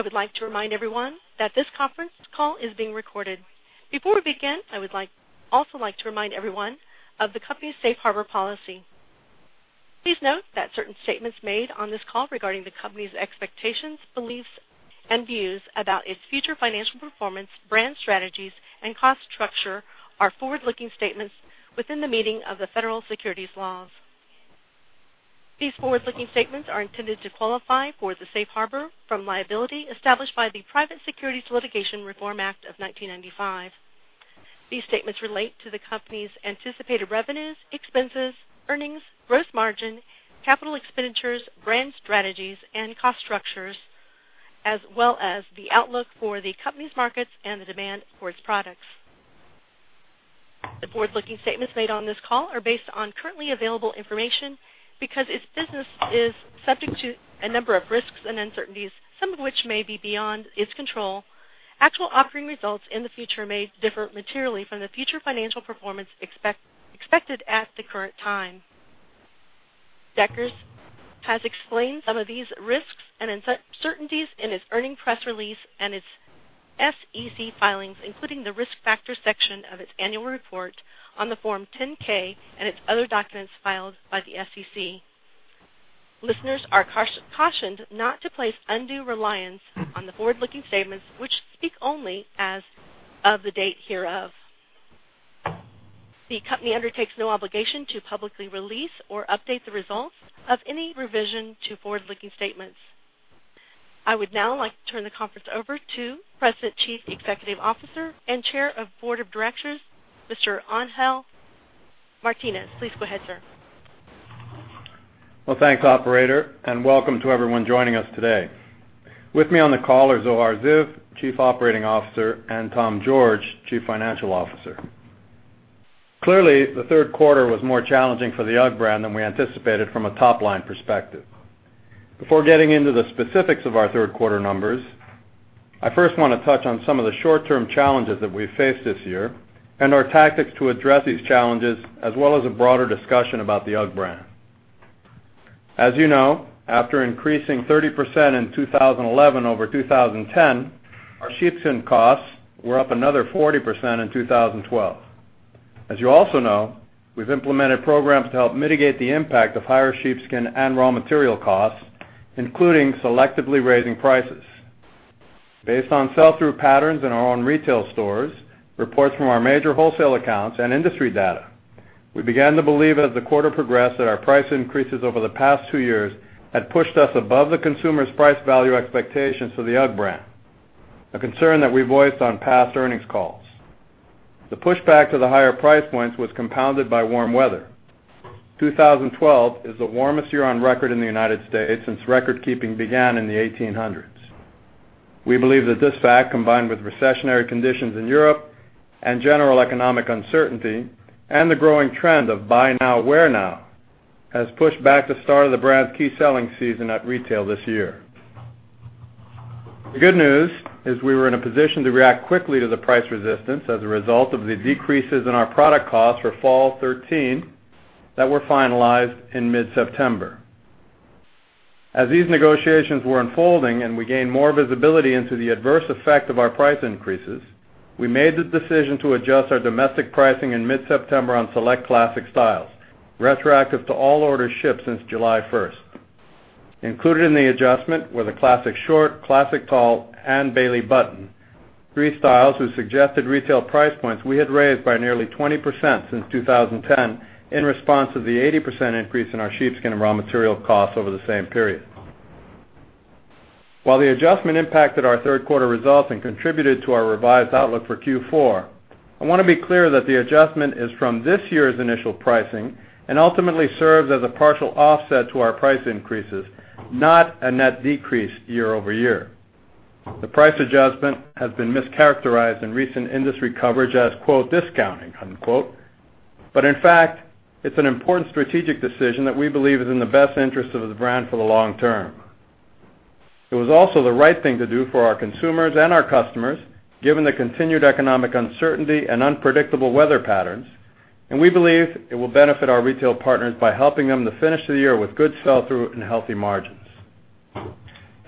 I would like to remind everyone that this conference call is being recorded. Before we begin, I would also like to remind everyone of the company's safe harbor policy. Please note that certain statements made on this call regarding the company's expectations, beliefs, and views about its future financial performance, brand strategies, and cost structure are forward-looking statements within the meaning of the federal securities laws. These forward-looking statements are intended to qualify for the safe harbor from liability established by the Private Securities Litigation Reform Act of 1995. These statements relate to the company's anticipated revenues, expenses, earnings, gross margin, capital expenditures, brand strategies, and cost structures, as well as the outlook for the company's markets and the demand for its products. The forward-looking statements made on this call are based on currently available information because its business is subject to a number of risks and uncertainties, some of which may be beyond its control. Actual operating results in the future may differ materially from the future financial performance expected at the current time. Deckers has explained some of these risks and uncertainties in its earnings press release and its SEC filings, including the Risk Factors section of its annual report on the Form 10-K and its other documents filed by the SEC. Listeners are cautioned not to place undue reliance on the forward-looking statements, which speak only as of the date hereof. The company undertakes no obligation to publicly release or update the results of any revision to forward-looking statements. I would now like to turn the conference over to President, Chief Executive Officer, and Chair of Board of Directors, Mr. Angel Martinez. Please go ahead, sir. Well, thanks, operator, and welcome to everyone joining us today. With me on the call are Zohar Ziv, Chief Operating Officer, and Tom George, Chief Financial Officer. Clearly, the third quarter was more challenging for the UGG brand than we anticipated from a top-line perspective. Before getting into the specifics of our third quarter numbers, I first want to touch on some of the short-term challenges that we've faced this year and our tactics to address these challenges, as well as a broader discussion about the UGG brand. As you know, after increasing 30% in 2011 over 2010, our sheepskin costs were up another 40% in 2012. As you also know, we've implemented programs to help mitigate the impact of higher sheepskin and raw material costs, including selectively raising prices. Based on sell-through patterns in our own retail stores, reports from our major wholesale accounts, and industry data, we began to believe as the quarter progressed that our price increases over the past two years had pushed us above the consumer's price-value expectations for the UGG brand, a concern that we voiced on past earnings calls. The pushback to the higher price points was compounded by warm weather. 2012 is the warmest year on record in the United States since record keeping began in the 1800s. We believe that this fact, combined with recessionary conditions in Europe and general economic uncertainty, and the growing trend of buy now, wear now, has pushed back the start of the brand's key selling season at retail this year. The good news is we were in a position to react quickly to the price resistance as a result of the decreases in our product costs for fall '13 that were finalized in mid-September. As these negotiations were unfolding and we gained more visibility into the adverse effect of our price increases, we made the decision to adjust our domestic pricing in mid-September on select Classic styles, retroactive to all orders shipped since July 1st. Included in the adjustment were the Classic Short, Classic Tall, and Bailey Button, three styles whose suggested retail price points we had raised by nearly 20% since 2010 in response to the 80% increase in our sheepskin and raw material costs over the same period. While the adjustment impacted our third quarter results and contributed to our revised outlook for Q4, I want to be clear that the adjustment is from this year's initial pricing and ultimately serves as a partial offset to our price increases, not a net decrease year-over-year. The price adjustment has been mischaracterized in recent industry coverage as, quote, "discounting," unquote. In fact, it's an important strategic decision that we believe is in the best interest of the brand for the long term. It was also the right thing to do for our consumers and our customers, given the continued economic uncertainty and unpredictable weather patterns, We believe it will benefit our retail partners by helping them to finish the year with good sell-through and healthy margins.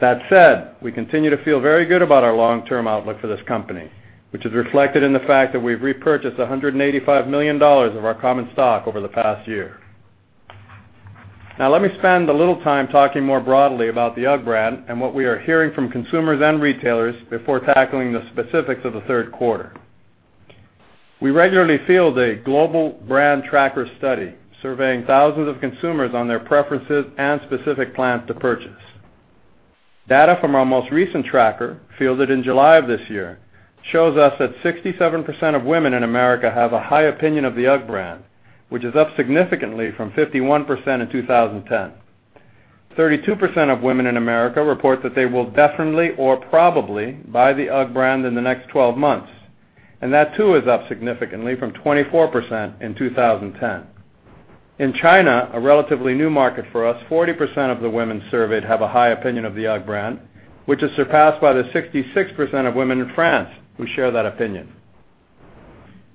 That said, we continue to feel very good about our long-term outlook for this company, which is reflected in the fact that we've repurchased $185 million of our common stock over the past year. Now, let me spend a little time talking more broadly about the UGG brand and what we are hearing from consumers and retailers before tackling the specifics of the third quarter. We regularly field a global brand tracker study, surveying thousands of consumers on their preferences and specific plans to purchase. Data from our most recent tracker, fielded in July of this year, shows us that 67% of women in America have a high opinion of the UGG brand, which is up significantly from 51% in 2010. 32% of women in America report that they will definitely or probably buy the UGG brand in the next 12 months, and that, too, is up significantly from 24% in 2010. In China, a relatively new market for us, 40% of the women surveyed have a high opinion of the UGG brand, which is surpassed by the 66% of women in France who share that opinion.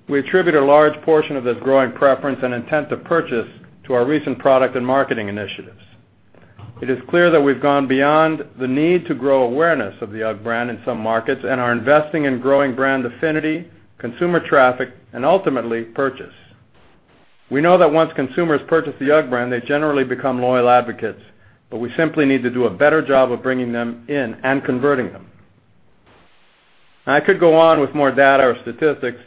We attribute a large portion of this growing preference and intent to purchase to our recent product and marketing initiatives. It is clear that we've gone beyond the need to grow awareness of the UGG brand in some markets and are investing in growing brand affinity, consumer traffic, and ultimately purchase. We know that once consumers purchase the UGG brand, they generally become loyal advocates, but we simply need to do a better job of bringing them in and converting them. I could go on with more data or statistics,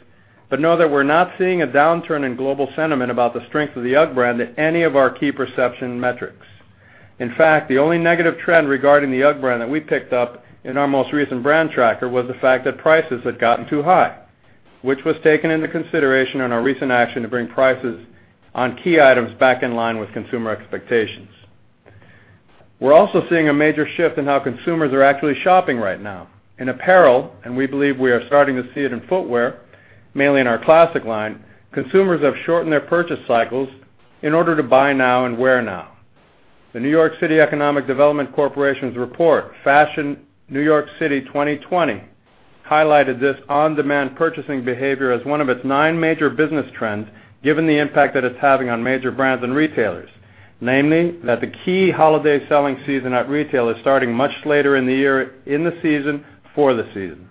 but know that we're not seeing a downturn in global sentiment about the strength of the UGG brand at any of our key perception metrics. In fact, the only negative trend regarding the UGG brand that we picked up in our most recent brand tracker was the fact that prices had gotten too high, which was taken into consideration in our recent action to bring prices on key items back in line with consumer expectations. We're also seeing a major shift in how consumers are actually shopping right now. In apparel, and we believe we are starting to see it in footwear, mainly in our classic line, consumers have shortened their purchase cycles in order to buy now and wear now. The New York City Economic Development Corporation's report, Fashion New York City 2020, highlighted this on-demand purchasing behavior as one of its nine major business trends, given the impact that it's having on major brands and retailers, namely, that the key holiday selling season at retail is starting much later in the year, in the season, for the season.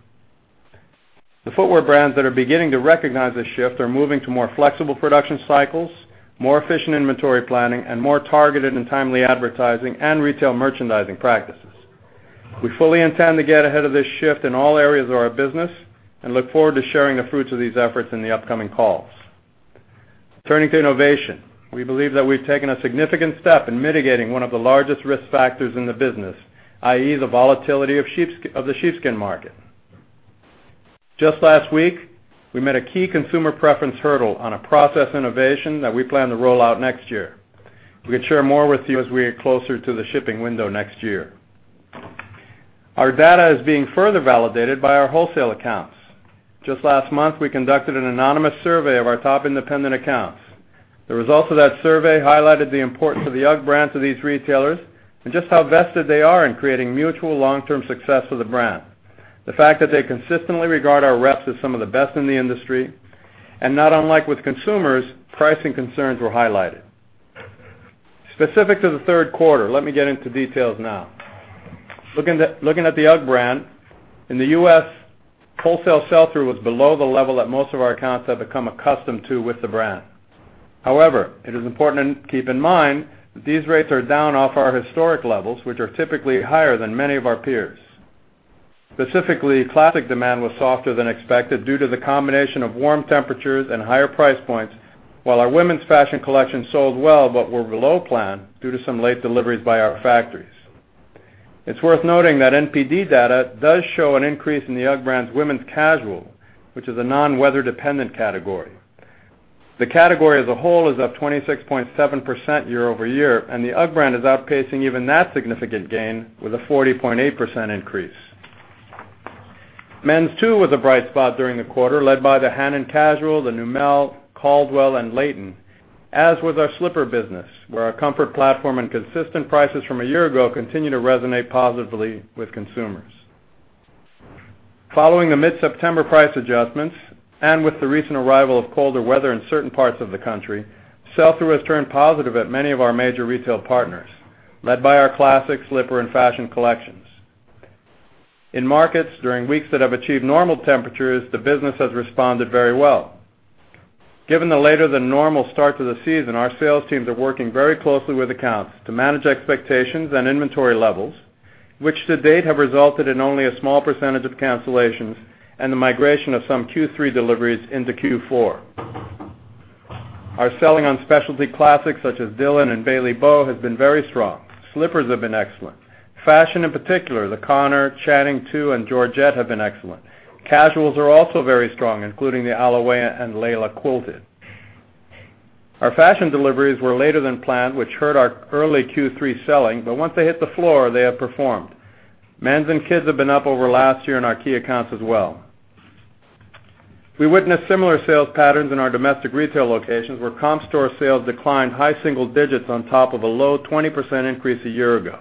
The footwear brands that are beginning to recognize this shift are moving to more flexible production cycles, more efficient inventory planning, and more targeted and timely advertising and retail merchandising practices. We fully intend to get ahead of this shift in all areas of our business and look forward to sharing the fruits of these efforts in the upcoming calls. Turning to innovation, we believe that we've taken a significant step in mitigating one of the largest risk factors in the business, i.e., the volatility of the sheepskin market. Just last week, we met a key consumer preference hurdle on a process innovation that we plan to roll out next year. We can share more with you as we get closer to the shipping window next year. Our data is being further validated by our wholesale accounts. Just last month, we conducted an anonymous survey of our top independent accounts. The results of that survey highlighted the importance of the UGG brand to these retailers and just how vested they are in creating mutual long-term success for the brand. The fact that they consistently regard our reps as some of the best in the industry, and not unlike with consumers, pricing concerns were highlighted. Specific to the third quarter, let me get into details now. Looking at the UGG brand, in the U.S., wholesale sell-through was below the level that most of our accounts have become accustomed to with the brand. However, it is important to keep in mind that these rates are down off our historic levels, which are typically higher than many of our peers. Specifically, classic demand was softer than expected due to the combination of warm temperatures and higher price points, while our women's fashion collection sold well but were below plan due to some late deliveries by our factories. It's worth noting that NPD data does show an increase in the UGG brand's women's casual, which is a non-weather-dependent category. The category as a whole is up 26.7% year-over-year, and the UGG brand is outpacing even that significant gain with a 40.8% increase. Men's too was a bright spot during the quarter, led by the Hannen casual, the Neumel, Caldwell, and Leighton, as was our slipper business, where our comfort platform and consistent prices from a year ago continue to resonate positively with consumers. Following the mid-September price adjustments, with the recent arrival of colder weather in certain parts of the country, sell-through has turned positive at many of our major retail partners, led by our classic slipper and fashion collections. In markets during weeks that have achieved normal temperatures, the business has responded very well. Given the later-than-normal start to the season, our sales teams are working very closely with accounts to manage expectations and inventory levels, which to date have resulted in only a small percentage of cancellations and the migration of some Q3 deliveries into Q4. Our selling on specialty classics such as Dylan and Bailey Bow has been very strong. Slippers have been excellent. Fashion in particular, the Conor, Channing II, and Georgette have been excellent. Casuals are also very strong, including the Alaia and Leila quilted. Our fashion deliveries were later than planned, which hurt our early Q3 selling, but once they hit the floor, they have performed. Men's and kids' have been up over last year in our key accounts as well. We witnessed similar sales patterns in our domestic retail locations, where comp store sales declined high single digits on top of a low 20% increase a year ago.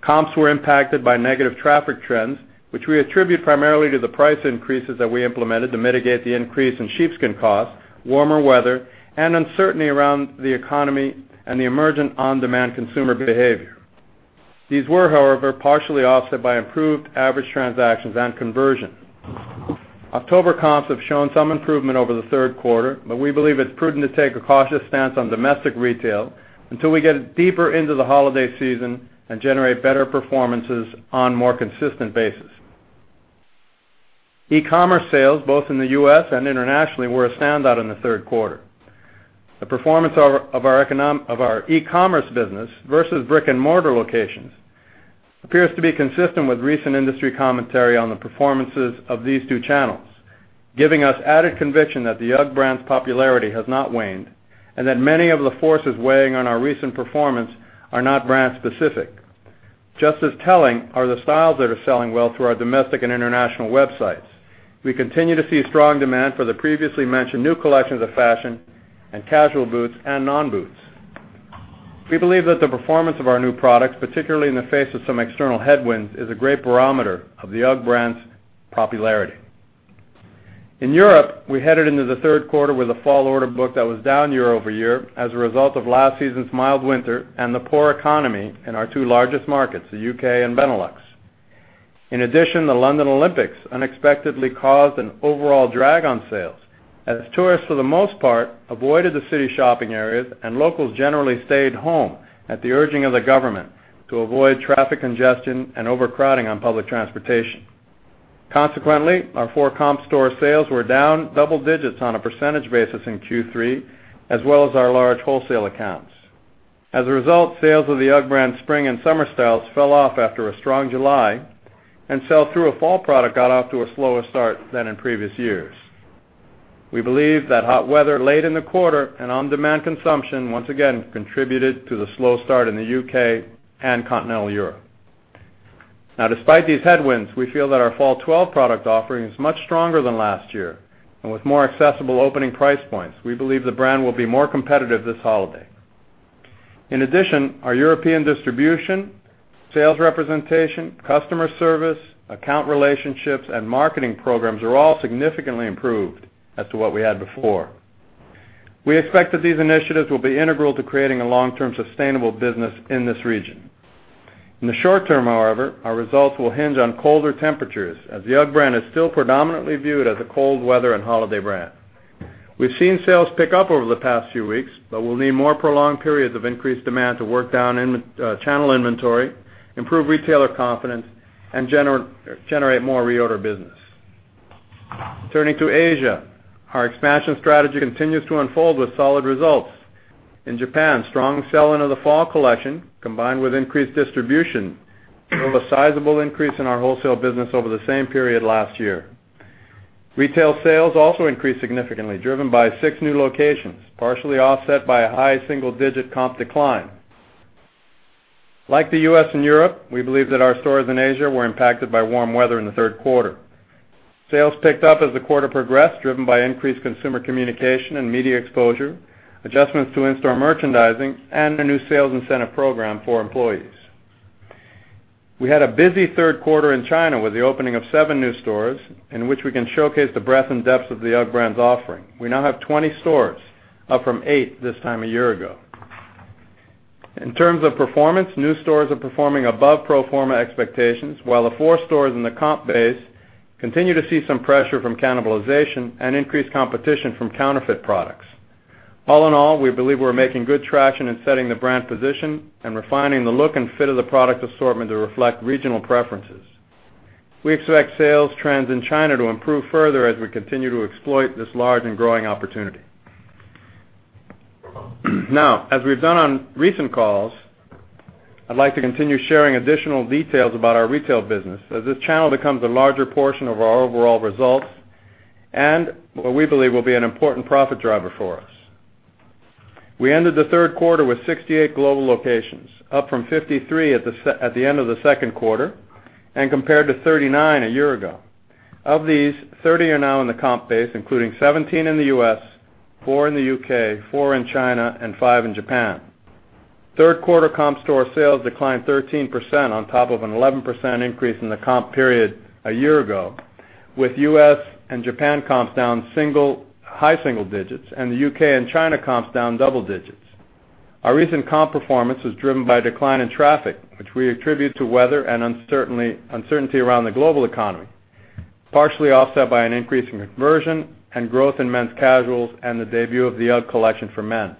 Comps were impacted by negative traffic trends, which we attribute primarily to the price increases that we implemented to mitigate the increase in sheepskin cost, warmer weather, and uncertainty around the economy and the emergent on-demand consumer behavior. These were, however, partially offset by improved average transactions and conversion. October comps have shown some improvement over the third quarter. We believe it's prudent to take a cautious stance on domestic retail until we get deeper into the holiday season and generate better performances on a more consistent basis. e-commerce sales, both in the U.S. and internationally, were a standout in the third quarter. The performance of our e-commerce business versus brick-and-mortar locations appears to be consistent with recent industry commentary on the performances of these two channels, giving us added conviction that the UGG brand's popularity has not waned and that many of the forces weighing on our recent performance are not brand-specific. Just as telling are the styles that are selling well through our domestic and international websites. We continue to see strong demand for the previously mentioned new collections of fashion and casual boots and non-boots. We believe that the performance of our new products, particularly in the face of some external headwinds, is a great barometer of the UGG brand's popularity. In Europe, we headed into the third quarter with a fall order book that was down year-over-year as a result of last season's mild winter and the poor economy in our two largest markets, the U.K. and Benelux. In addition, the London Olympics unexpectedly caused an overall drag on sales as tourists, for the most part, avoided the city shopping areas and locals generally stayed home at the urging of the government to avoid traffic congestion and overcrowding on public transportation. Our four comp store sales were down double digits on a percentage basis in Q3, as well as our large wholesale accounts. As a result, sales of the UGG brand spring and summer styles fell off after a strong July, and sell-through of fall product got off to a slower start than in previous years. We believe that hot weather late in the quarter and on-demand consumption once again contributed to the slow start in the U.K. and continental Europe. Despite these headwinds, we feel that our fall 2012 product offering is much stronger than last year. With more accessible opening price points, we believe the brand will be more competitive this holiday. Our European distribution, sales representation, customer service, account relationships, and marketing programs are all significantly improved as to what we had before. We expect that these initiatives will be integral to creating a long-term sustainable business in this region. In the short term, however, our results will hinge on colder temperatures, as the UGG brand is still predominantly viewed as a cold weather and holiday brand. We've seen sales pick up over the past few weeks, but we'll need more prolonged periods of increased demand to work down channel inventory, improve retailer confidence, and generate more reorder business. Turning to Asia, our expansion strategy continues to unfold with solid results. In Japan, strong sell-in of the fall collection, combined with increased distribution, drove a sizable increase in our wholesale business over the same period last year. Retail sales also increased significantly, driven by six new locations, partially offset by a high single-digit comp decline. Like the U.S. and Europe, we believe that our stores in Asia were impacted by warm weather in the third quarter. Sales picked up as the quarter progressed, driven by increased consumer communication and media exposure, adjustments to in-store merchandising, and a new sales incentive program for employees. We had a busy third quarter in China with the opening of seven new stores in which we can showcase the breadth and depth of the UGG brand's offering. We now have 20 stores, up from eight this time a year ago. In terms of performance, new stores are performing above pro forma expectations, while the four stores in the comp base continue to see some pressure from cannibalization and increased competition from counterfeit products. All in all, we believe we're making good traction in setting the brand position and refining the look and fit of the product assortment to reflect regional preferences. We expect sales trends in China to improve further as we continue to exploit this large and growing opportunity. As we've done on recent calls, I'd like to continue sharing additional details about our retail business as this channel becomes a larger portion of our overall results and what we believe will be an important profit driver for us. We ended the third quarter with 68 global locations, up from 53 at the end of the second quarter and compared to 39 a year ago. Of these, 30 are now in the comp base, including 17 in the U.S., four in the U.K., four in China, and five in Japan. Third quarter comp store sales declined 13% on top of an 11% increase in the comp period a year ago, with U.S. and Japan comps down high single digits and the U.K. and China comps down double digits. Our recent comp performance was driven by a decline in traffic, which we attribute to weather and uncertainty around the global economy, partially offset by an increase in conversion and growth in men's casuals and the debut of the UGG collection for men.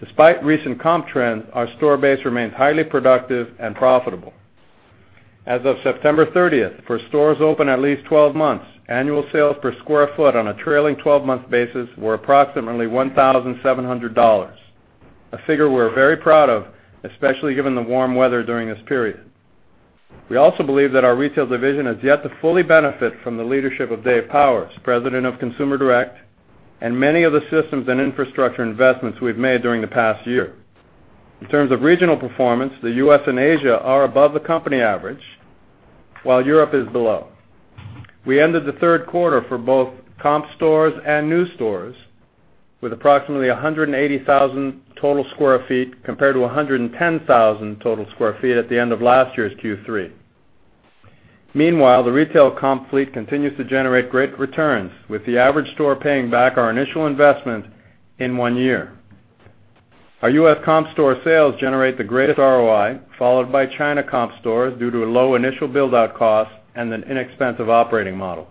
Despite recent comp trends, our store base remains highly productive and profitable. As of September 30th, for stores open at least 12 months, annual sales per sq ft on a trailing 12-month basis were approximately $1,700. A figure we're very proud of, especially given the warm weather during this period. We also believe that our retail division has yet to fully benefit from the leadership of Dave Powers, President of Consumer Direct, and many of the systems and infrastructure investments we've made during the past year. In terms of regional performance, the U.S. and Asia are above the company average, while Europe is below. We ended the third quarter for both comp stores and new stores with approximately 180,000 total sq ft, compared to 110,000 total sq ft at the end of last year's Q3. Meanwhile, the retail comp fleet continues to generate great returns, with the average store paying back our initial investment in one year. Our U.S. comp store sales generate the greatest ROI, followed by China comp stores due to a low initial build-out cost and an inexpensive operating model.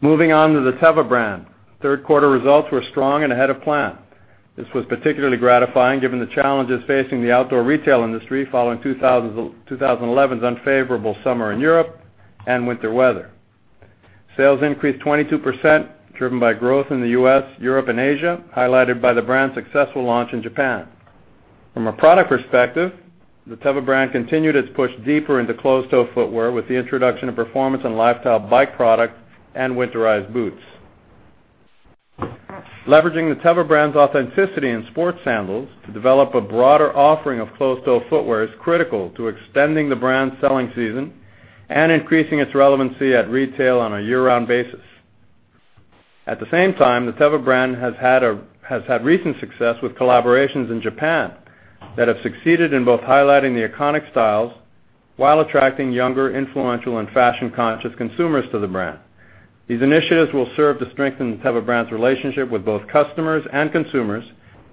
Moving on to the Teva brand. Third quarter results were strong and ahead of plan. This was particularly gratifying given the challenges facing the outdoor retail industry following 2011's unfavorable summer in Europe and winter weather. Sales increased 22%, driven by growth in the U.S., Europe, and Asia, highlighted by the brand's successful launch in Japan. From a product perspective, the Teva brand continued its push deeper into closed-toe footwear with the introduction of performance and lifestyle bike product and winterized boots. Leveraging the Teva brand's authenticity in sports sandals to develop a broader offering of closed-toe footwear is critical to extending the brand's selling season and increasing its relevancy at retail on a year-round basis. At the same time, the Teva brand has had recent success with collaborations in Japan that have succeeded in both highlighting the iconic styles while attracting younger, influential, and fashion-conscious consumers to the brand. These initiatives will serve to strengthen the Teva brand's relationship with both customers and consumers,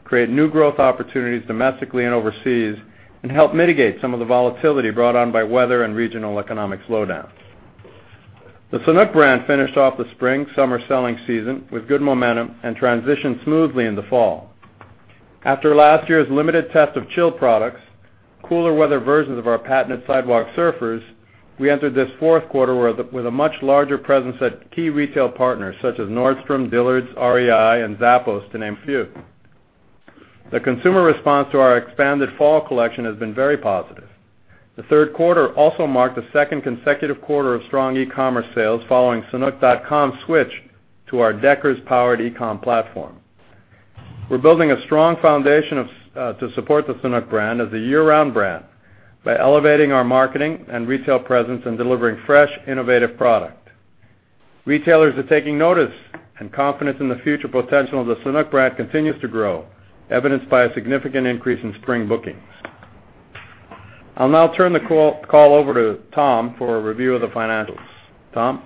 create new growth opportunities domestically and overseas, and help mitigate some of the volatility brought on by weather and regional economic slowdowns. The Sanuk brand finished off the spring-summer selling season with good momentum and transitioned smoothly into fall. After last year's limited test of chill products, cooler weather versions of our patented Sidewalk Surfers, we entered this fourth quarter with a much larger presence at key retail partners such as Nordstrom, Dillard's, REI, and Zappos, to name a few. The consumer response to our expanded fall collection has been very positive. The third quarter also marked the second consecutive quarter of strong e-commerce sales following sanuk.com's switch to our Deckers-powered e-com platform. We're building a strong foundation to support the Sanuk brand as a year-round brand by elevating our marketing and retail presence and delivering fresh, innovative product. Retailers are taking notice, and confidence in the future potential of the Sanuk brand continues to grow, evidenced by a significant increase in spring bookings. I'll now turn the call over to Tom for a review of the financials. Tom?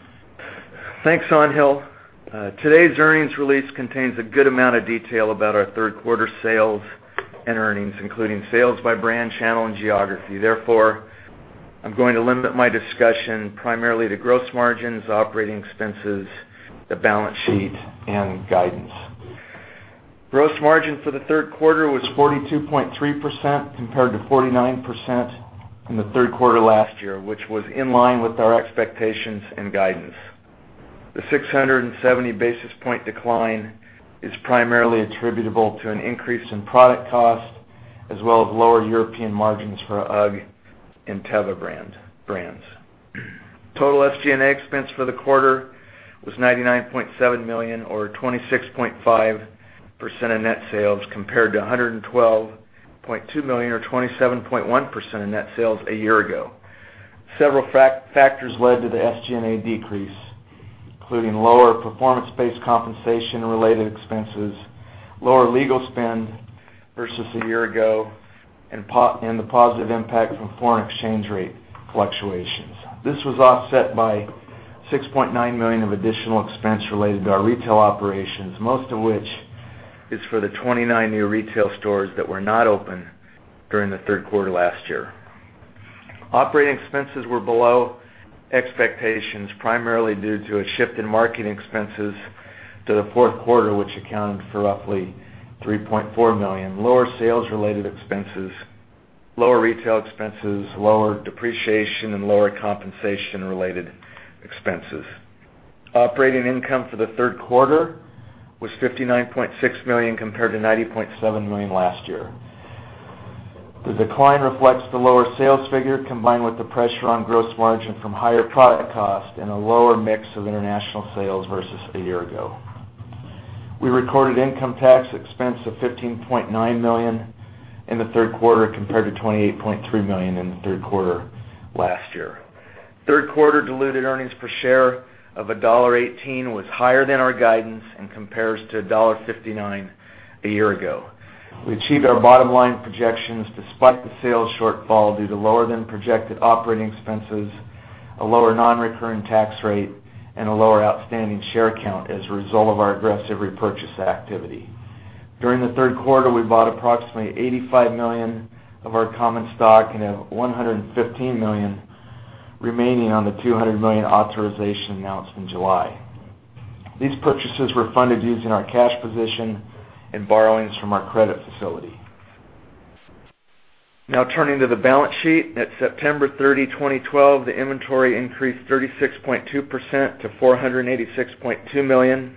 Thanks, Angel. Today's earnings release contains a good amount of detail about our third quarter sales and earnings, including sales by brand, channel, and geography. Therefore, I'm going to limit my discussion primarily to gross margins, operating expenses, the balance sheet, and guidance. Gross margin for the third quarter was 42.3% compared to 49% in the third quarter last year, which was in line with our expectations and guidance. The 670 basis point decline is primarily attributable to an increase in product cost as well as lower European margins for UGG and Teva brands. Total SG&A expense for the quarter was $99.7 million, or 26.5% of net sales, compared to $112.2 million, or 27.1% of net sales a year ago. Several factors led to the SG&A decrease, including lower performance-based compensation and related expenses, lower legal spend versus a year ago, and the positive impact from foreign exchange rate fluctuations. This was offset by $6.9 million of additional expense related to our retail operations, most of which is for the 29 new retail stores that were not open during the third quarter last year. Operating expenses were below expectations, primarily due to a shift in marketing expenses to the fourth quarter, which accounted for roughly $3.4 million, lower sales-related expenses, lower retail expenses, lower depreciation, and lower compensation-related expenses. Operating income for the third quarter was $59.6 million compared to $90.7 million last year. The decline reflects the lower sales figure combined with the pressure on gross margin from higher product cost and a lower mix of international sales versus a year ago. We recorded income tax expense of $15.9 million in the third quarter compared to $28.3 million in the third quarter last year. Third quarter diluted earnings per share of $1.18 was higher than our guidance and compares to $1.59 a year ago. We achieved our bottom-line projections despite the sales shortfall due to lower-than-projected operating expenses, a lower non-recurring tax rate, and a lower outstanding share count as a result of our aggressive repurchase activity. During the third quarter, we bought approximately $85 million of our common stock and have $115 million remaining on the $200 million authorization announced in July. These purchases were funded using our cash position and borrowings from our credit facility. Turning to the balance sheet. At September 30, 2012, the inventory increased 36.2% to $486.2 million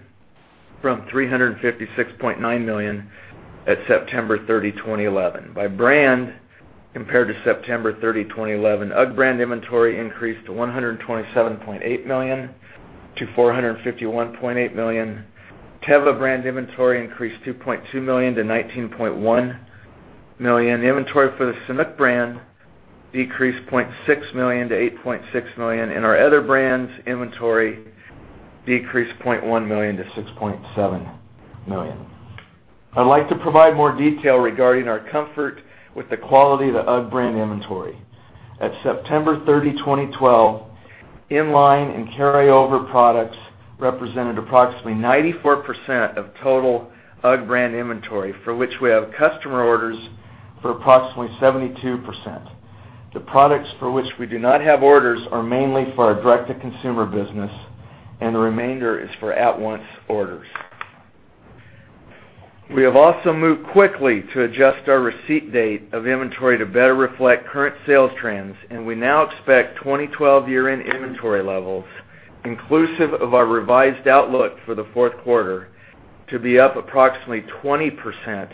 from $356.9 million at September 30, 2011. By brand, compared to September 30, 2011, UGG brand inventory increased to $127.8 million to $451.8 million. Teva brand inventory increased $2.2 million to $19.1 million. The inventory for the Sanuk brand decreased $0.6 million to $8.6 million, and our other brands' inventory decreased $0.1 million to $6.7 million. I'd like to provide more detail regarding our comfort with the quality of the UGG brand inventory. At September 30, 2012, in-line and carryover products represented approximately 94% of total UGG brand inventory, for which we have customer orders for approximately 72%. The products for which we do not have orders are mainly for our direct-to-consumer business, and the remainder is for at-once orders. We have also moved quickly to adjust our receipt date of inventory to better reflect current sales trends, and we now expect 2012 year-end inventory levels inclusive of our revised outlook for the fourth quarter to be up approximately 20%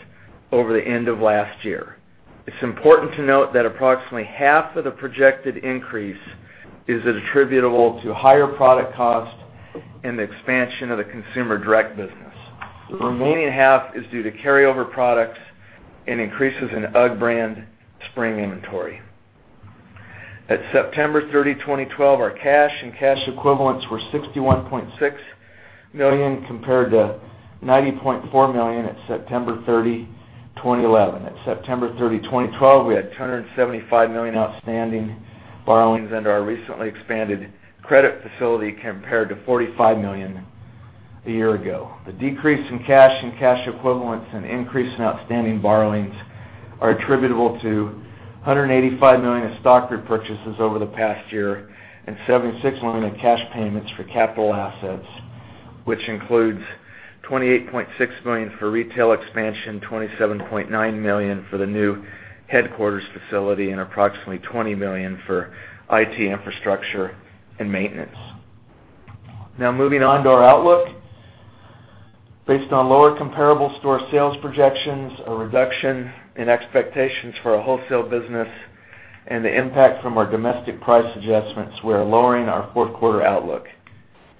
over the end of last year. It's important to note that approximately half of the projected increase is attributable to higher product cost and the expansion of the consumer direct business. The remaining half is due to carryover products and increases in UGG brand spring inventory. At September 30, 2012, our cash and cash equivalents were $61.6 million compared to $90.4 million at September 30, 2011. At September 30, 2012, we had $275 million outstanding borrowings under our recently expanded credit facility compared to $45 million a year ago. The decrease in cash and cash equivalents and increase in outstanding borrowings are attributable to $185 million of stock repurchases over the past year and $76 million of cash payments for capital assets, which includes $28.6 million for retail expansion, $27.9 million for the new headquarters facility, and approximately $20 million for IT infrastructure and maintenance. Moving on to our outlook. Based on lower comparable store sales projections, a reduction in expectations for our wholesale business, and the impact from our domestic price adjustments, we are lowering our fourth quarter outlook.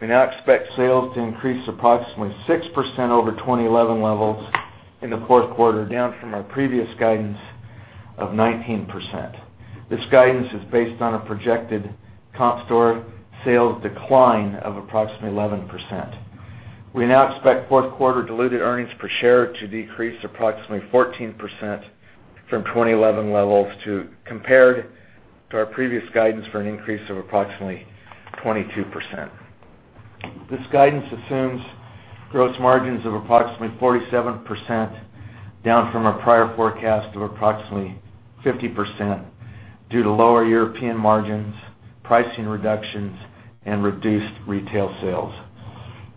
We now expect sales to increase approximately 6% over 2011 levels in the fourth quarter, down from our previous guidance of 19%. This guidance is based on a projected comp store sales decline of approximately 11%. We now expect fourth quarter diluted earnings per share to decrease approximately 14% from 2011 levels compared to our previous guidance for an increase of approximately 22%. This guidance assumes gross margins of approximately 47%, down from our prior forecast of approximately 50% due to lower European margins, pricing reductions, and reduced retail sales.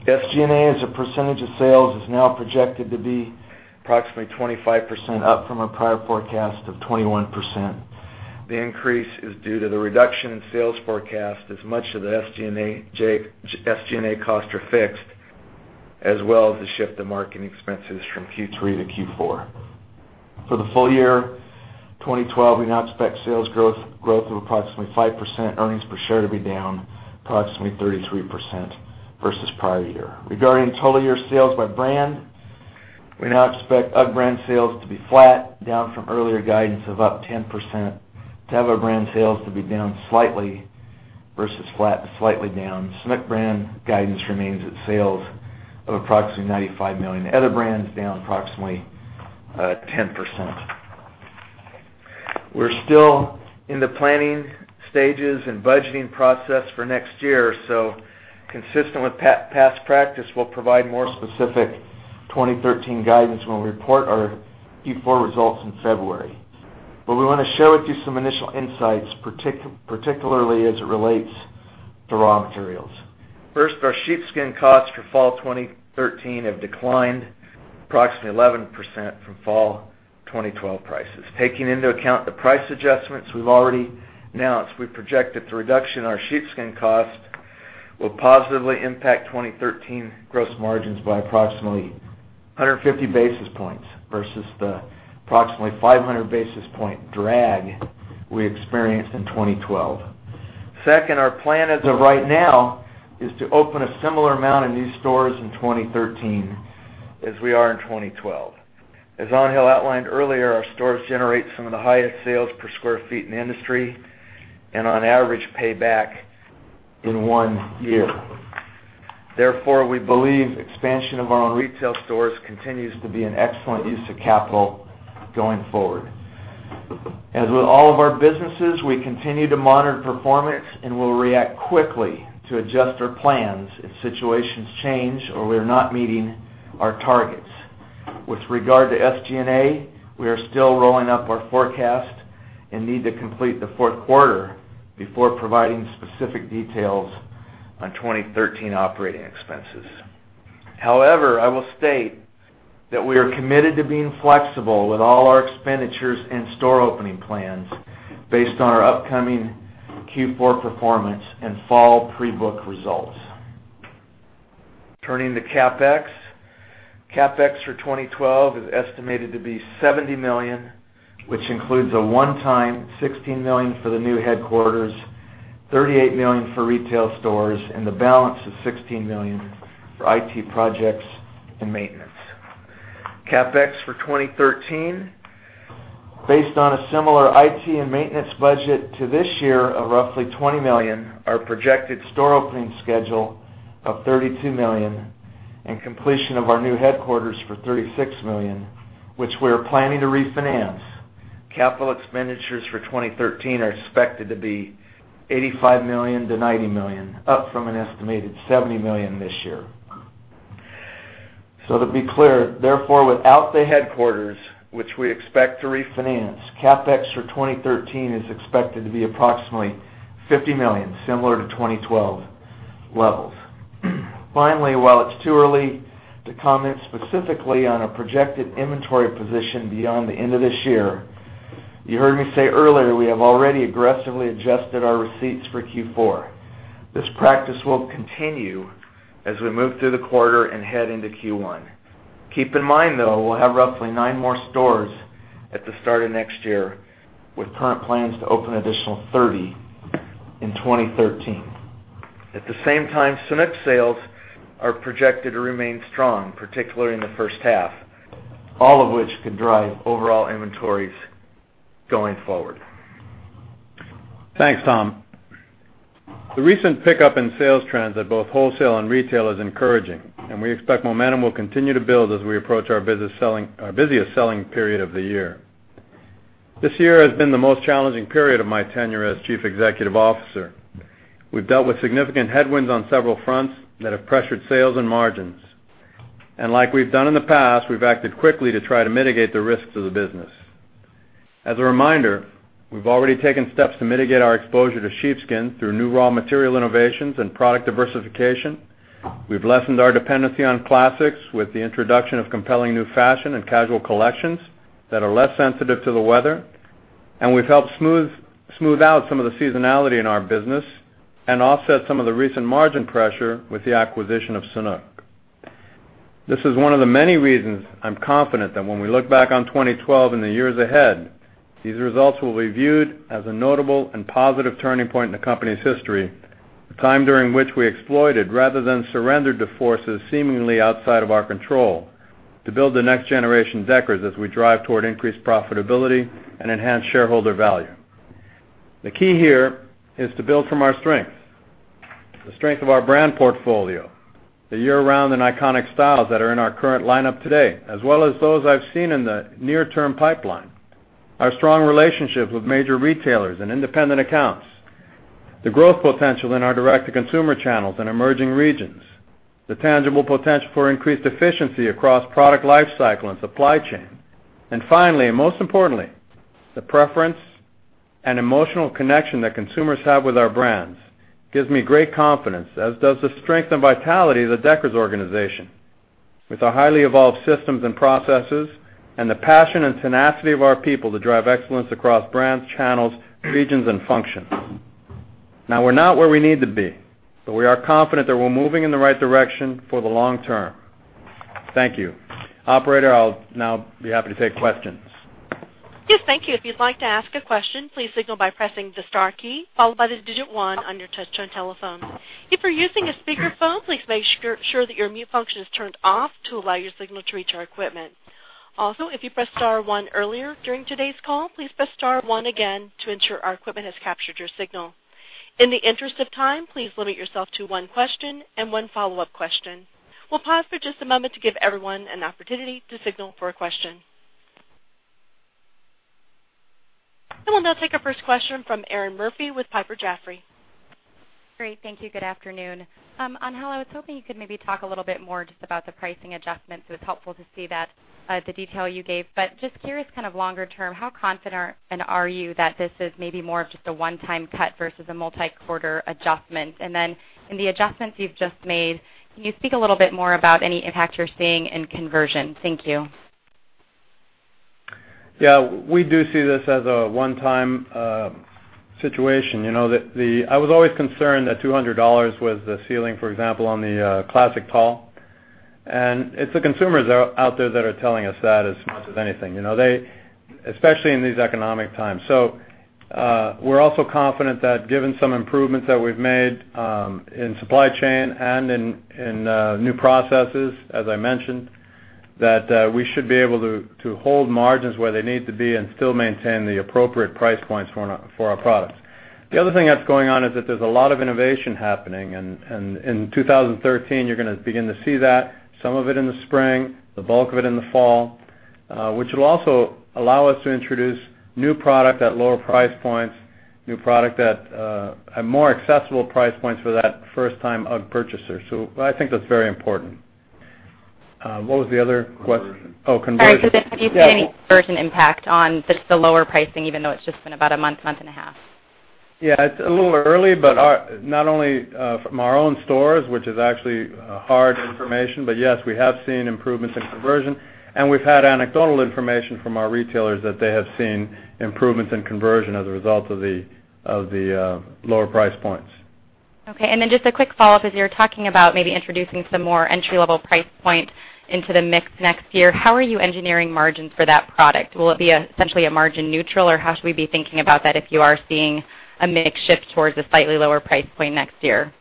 SG&A as a percentage of sales is now projected to be approximately 25%, up from our prior forecast of 21%. The increase is due to the reduction in sales forecast as much of the SG&A costs are fixed, as well as the shift in marketing expenses from Q3 to Q4. For the full year 2012, we now expect sales growth of approximately 5% earnings per share to be down approximately 33% versus prior year. Regarding total year sales by brand, we now expect UGG brand sales to be flat, down from earlier guidance of up 10%, Teva brand sales to be down slightly versus flat to slightly down. Sanuk brand guidance remains at sales of approximately $95 million. Other brands down approximately 10%. We're still in the planning stages and budgeting process for next year, so consistent with past practice, we'll provide more specific 2013 guidance when we report our Q4 results in February. We want to share with you some initial insights, particularly as it relates to raw materials. First, our sheepskin costs for fall 2013 have declined approximately 11% from fall 2012 prices. Taking into account the price adjustments we've already announced, we project that the reduction in our sheepskin cost will positively impact 2013 gross margins by approximately 150 basis points versus the approximately 500 basis point drag we experienced in 2012. Second, our plan as of right now is to open a similar amount of new stores in 2013 as we are in 2012. As Angel outlined earlier, our stores generate some of the highest sales per square feet in the industry and on average pay back in one year. Therefore, we believe expansion of our own retail stores continues to be an excellent use of capital going forward. As with all of our businesses, we continue to monitor performance and will react quickly to adjust our plans if situations change or we're not meeting our targets. With regard to SG&A, we are still rolling up our forecast and need to complete the fourth quarter before providing specific details on 2013 operating expenses. However, I will state that we are committed to being flexible with all our expenditures and store opening plans based on our upcoming Q4 performance and fall pre-book results. Turning to CapEx. CapEx for 2012 is estimated to be $70 million, which includes a one-time $16 million for the new headquarters, $38 million for retail stores, and the balance of $16 million for IT projects and maintenance. CapEx for 2013, based on a similar IT and maintenance budget to this year of roughly $20 million, our projected store opening schedule of $32 million, and completion of our new headquarters for $36 million, which we are planning to refinance. Capital expenditures for 2013 are expected to be $85 million-$90 million, up from an estimated $70 million this year. To be clear, therefore, without the headquarters, which we expect to refinance, CapEx for 2013 is expected to be approximately $50 million, similar to 2012 levels. While it's too early to comment specifically on a projected inventory position beyond the end of this year, you heard me say earlier we have already aggressively adjusted our receipts for Q4. This practice will continue as we move through the quarter and head into Q1. Keep in mind, though, we'll have roughly nine more stores at the start of next year, with current plans to open additional 30 in 2013. At the same time, Sanuk sales are projected to remain strong, particularly in the first half, all of which could drive overall inventories going forward. Thanks, Tom. The recent pickup in sales trends at both wholesale and retail is encouraging, and we expect momentum will continue to build as we approach our busiest selling period of the year. This year has been the most challenging period of my tenure as Chief Executive Officer. We've dealt with significant headwinds on several fronts that have pressured sales and margins. Like we've done in the past, we've acted quickly to try to mitigate the risks to the business. As a reminder, we've already taken steps to mitigate our exposure to sheepskin through new raw material innovations and product diversification. We've lessened our dependency on classics with the introduction of compelling new fashion and casual collections that are less sensitive to the weather. We've helped smooth out some of the seasonality in our business and offset some of the recent margin pressure with the acquisition of Sanuk. This is one of the many reasons I'm confident that when we look back on 2012 and the years ahead, these results will be viewed as a notable and positive turning point in the company's history, a time during which we exploited rather than surrendered to forces seemingly outside of our control to build the next generation Deckers as we drive toward increased profitability and enhance shareholder value. The key here is to build from our strengths, the strength of our brand portfolio, the year-round and iconic styles that are in our current lineup today, as well as those I've seen in the near-term pipeline. Our strong relationships with major retailers and independent accounts, the growth potential in our direct-to-consumer channels in emerging regions, the tangible potential for increased efficiency across product life cycle and supply chain, finally, and most importantly, the preference and emotional connection that consumers have with our brands gives me great confidence, as does the strength and vitality of the Deckers organization, with our highly evolved systems and processes and the passion and tenacity of our people to drive excellence across brands, channels, regions, and functions. We're not where we need to be, but we are confident that we're moving in the right direction for the long term. Thank you. Operator, I'll now be happy to take questions. Yes, thank you. If you'd like to ask a question, please signal by pressing the star key, followed by the digit one on your touch-tone telephone. If you're using a speakerphone, please make sure that your mute function is turned off to allow your signal to reach our equipment. Also, if you pressed star one earlier during today's call, please press star one again to ensure our equipment has captured your signal. In the interest of time, please limit yourself to one question and one follow-up question. We'll pause for just a moment to give everyone an opportunity to signal for a question. I will now take our first question from Erinn Murphy with Piper Jaffray. Great. Thank you. Good afternoon. Angel, I was hoping you could maybe talk a little bit more just about the pricing adjustments. It was helpful to see the detail you gave, but just curious, longer term, how confident are you that this is maybe more of just a one-time cut versus a multi-quarter adjustment? In the adjustments you've just made, can you speak a little bit more about any impact you're seeing in conversion? Thank you. Yeah. We do see this as a one-time situation. I was always concerned that $200 was the ceiling, for example, on the Classic Tall. It's the consumers out there that are telling us that as much as anything especially in these economic times. We're also confident that given some improvements that we've made in supply chain and in new processes, as I mentioned, that we should be able to hold margins where they need to be and still maintain the appropriate price points for our products. The other thing that's going on is that there's a lot of innovation happening. In 2013, you're going to begin to see that, some of it in the spring, the bulk of it in the fall, which will also allow us to introduce new product at lower price points, new product at more accessible price points for that first time UGG purchaser. I think that's very important. What was the other question? Conversion. Oh, conversion. All right. Have you seen any conversion impact on just the lower pricing, even though it's just been about a month and a half? Yeah, it's a little early, but not only from our own stores, which is actually hard information, but yes, we have seen improvements in conversion, and we've had anecdotal information from our retailers that they have seen improvements in conversion as a result of the lower price points. Okay, just a quick follow-up, as you were talking about maybe introducing some more entry-level price points into the mix next year, how are you engineering margins for that product? Will it be essentially a margin neutral, or how should we be thinking about that if you are seeing a mix shift towards a slightly lower price point next year?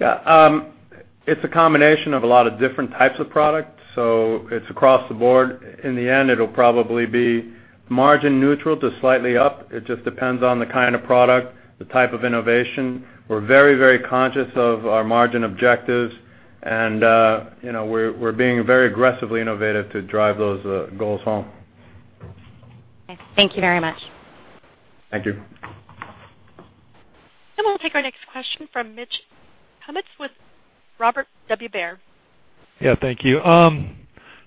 Yeah. It's a combination of a lot of different types of products, so it's across the board. In the end, it'll probably be margin neutral to slightly up. It just depends on the kind of product, the type of innovation. We're very conscious of our margin objectives, and we're being very aggressively innovative to drive those goals home. Okay. Thank you very much. Thank you. We'll take our next question from Mitch Kummetz with Robert W. Baird. Yeah, thank you.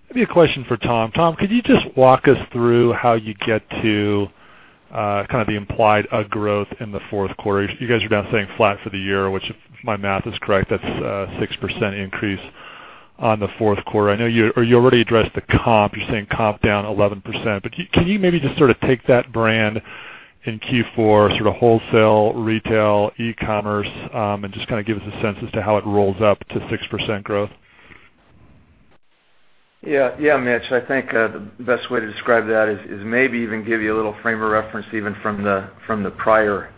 Maybe a question for Tom. Tom, could you just walk us through how you get to the implied UGG growth in the fourth quarter? You guys are now saying flat for the year, which if my math is correct, that's a 6% increase on the fourth quarter. I know you already addressed the comp. You're saying comp down 11%, but can you maybe just sort of take that brand in Q4, sort of wholesale, retail, e-commerce, and just kind of give us a sense as to how it rolls up to 6% growth? Yeah, Mitch, I think the best way to describe that is maybe even give you a little frame of reference, even from the prior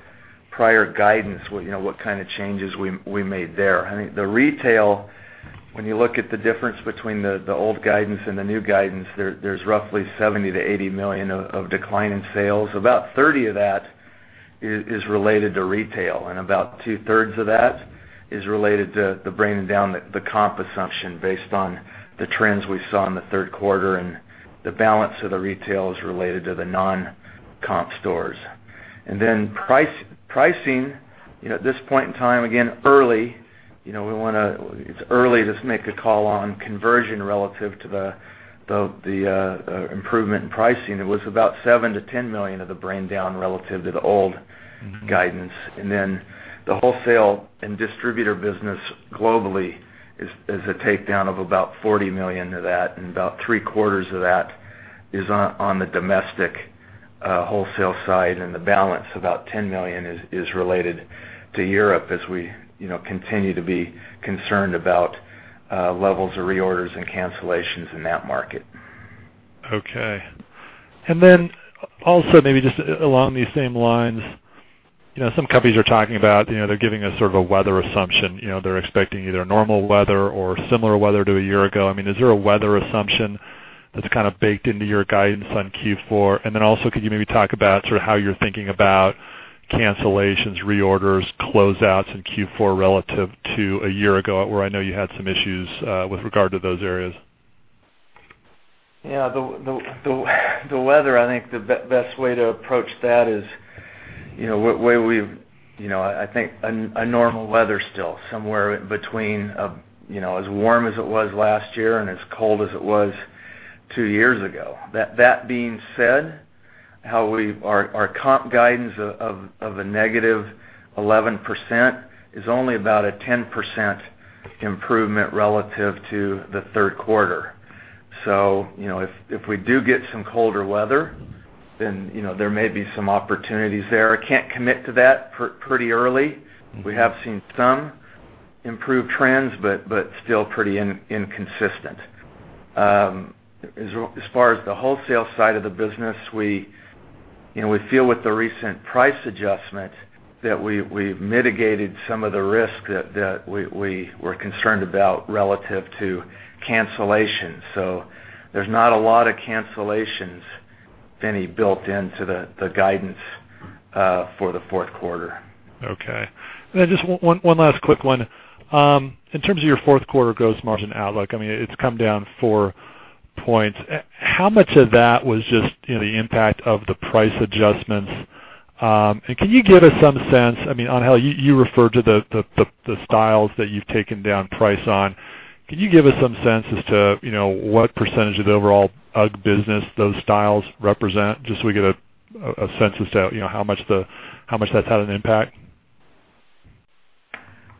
guidance, what kind of changes we made there. I think the retail, when you look at the difference between the old guidance and the new guidance, there's roughly $70 million-$80 million of decline in sales. About $30 of that is related to retail, and about two-thirds of that is related to the bringing down the comp assumption based on the trends we saw in the third quarter, and the balance of the retail is related to the non-comp stores. Pricing, at this point in time, again, it's early to make a call on conversion relative to the improvement in pricing. It was about $7 million-$10 million of the bring down relative to the old guidance. The wholesale and distributor business globally is a takedown of about $40 million to that, and about three-quarters of that is on the domestic wholesale side, and the balance, about $10 million, is related to Europe as we continue to be concerned about levels of reorders and cancellations in that market. Okay. Also, maybe just along these same lines, some companies are talking about they're giving a sort of a weather assumption. They're expecting either normal weather or similar weather to a year ago. Is there a weather assumption that's kind of baked into your guidance on Q4? Also, could you maybe talk about how you're thinking about cancellations, reorders, closeouts in Q4 relative to a year ago, where I know you had some issues with regard to those areas? The weather, I think the best way to approach that is, I think a normal weather still, somewhere between as warm as it was last year and as cold as it was two years ago. That being said, our comp guidance of a -11% is only about a 10% improvement relative to the third quarter. If we do get some colder weather, then there may be some opportunities there. I can't commit to that pretty early. We have seen some improved trends, still pretty inconsistent. As far as the wholesale side of the business, we feel with the recent price adjustment that we've mitigated some of the risk that we were concerned about relative to cancellations. There's not a lot of cancellations, if any, built into the guidance for the fourth quarter. Then just 1 last quick one. In terms of your fourth quarter gross margin outlook, it's come down 4 points. How much of that was just the impact of the price adjustments? Can you give us some sense, Angel, you referred to the styles that you've taken down price on. Can you give us some sense as to what percentage of the overall UGG business those styles represent, just so we get a sense as to how much that's had an impact?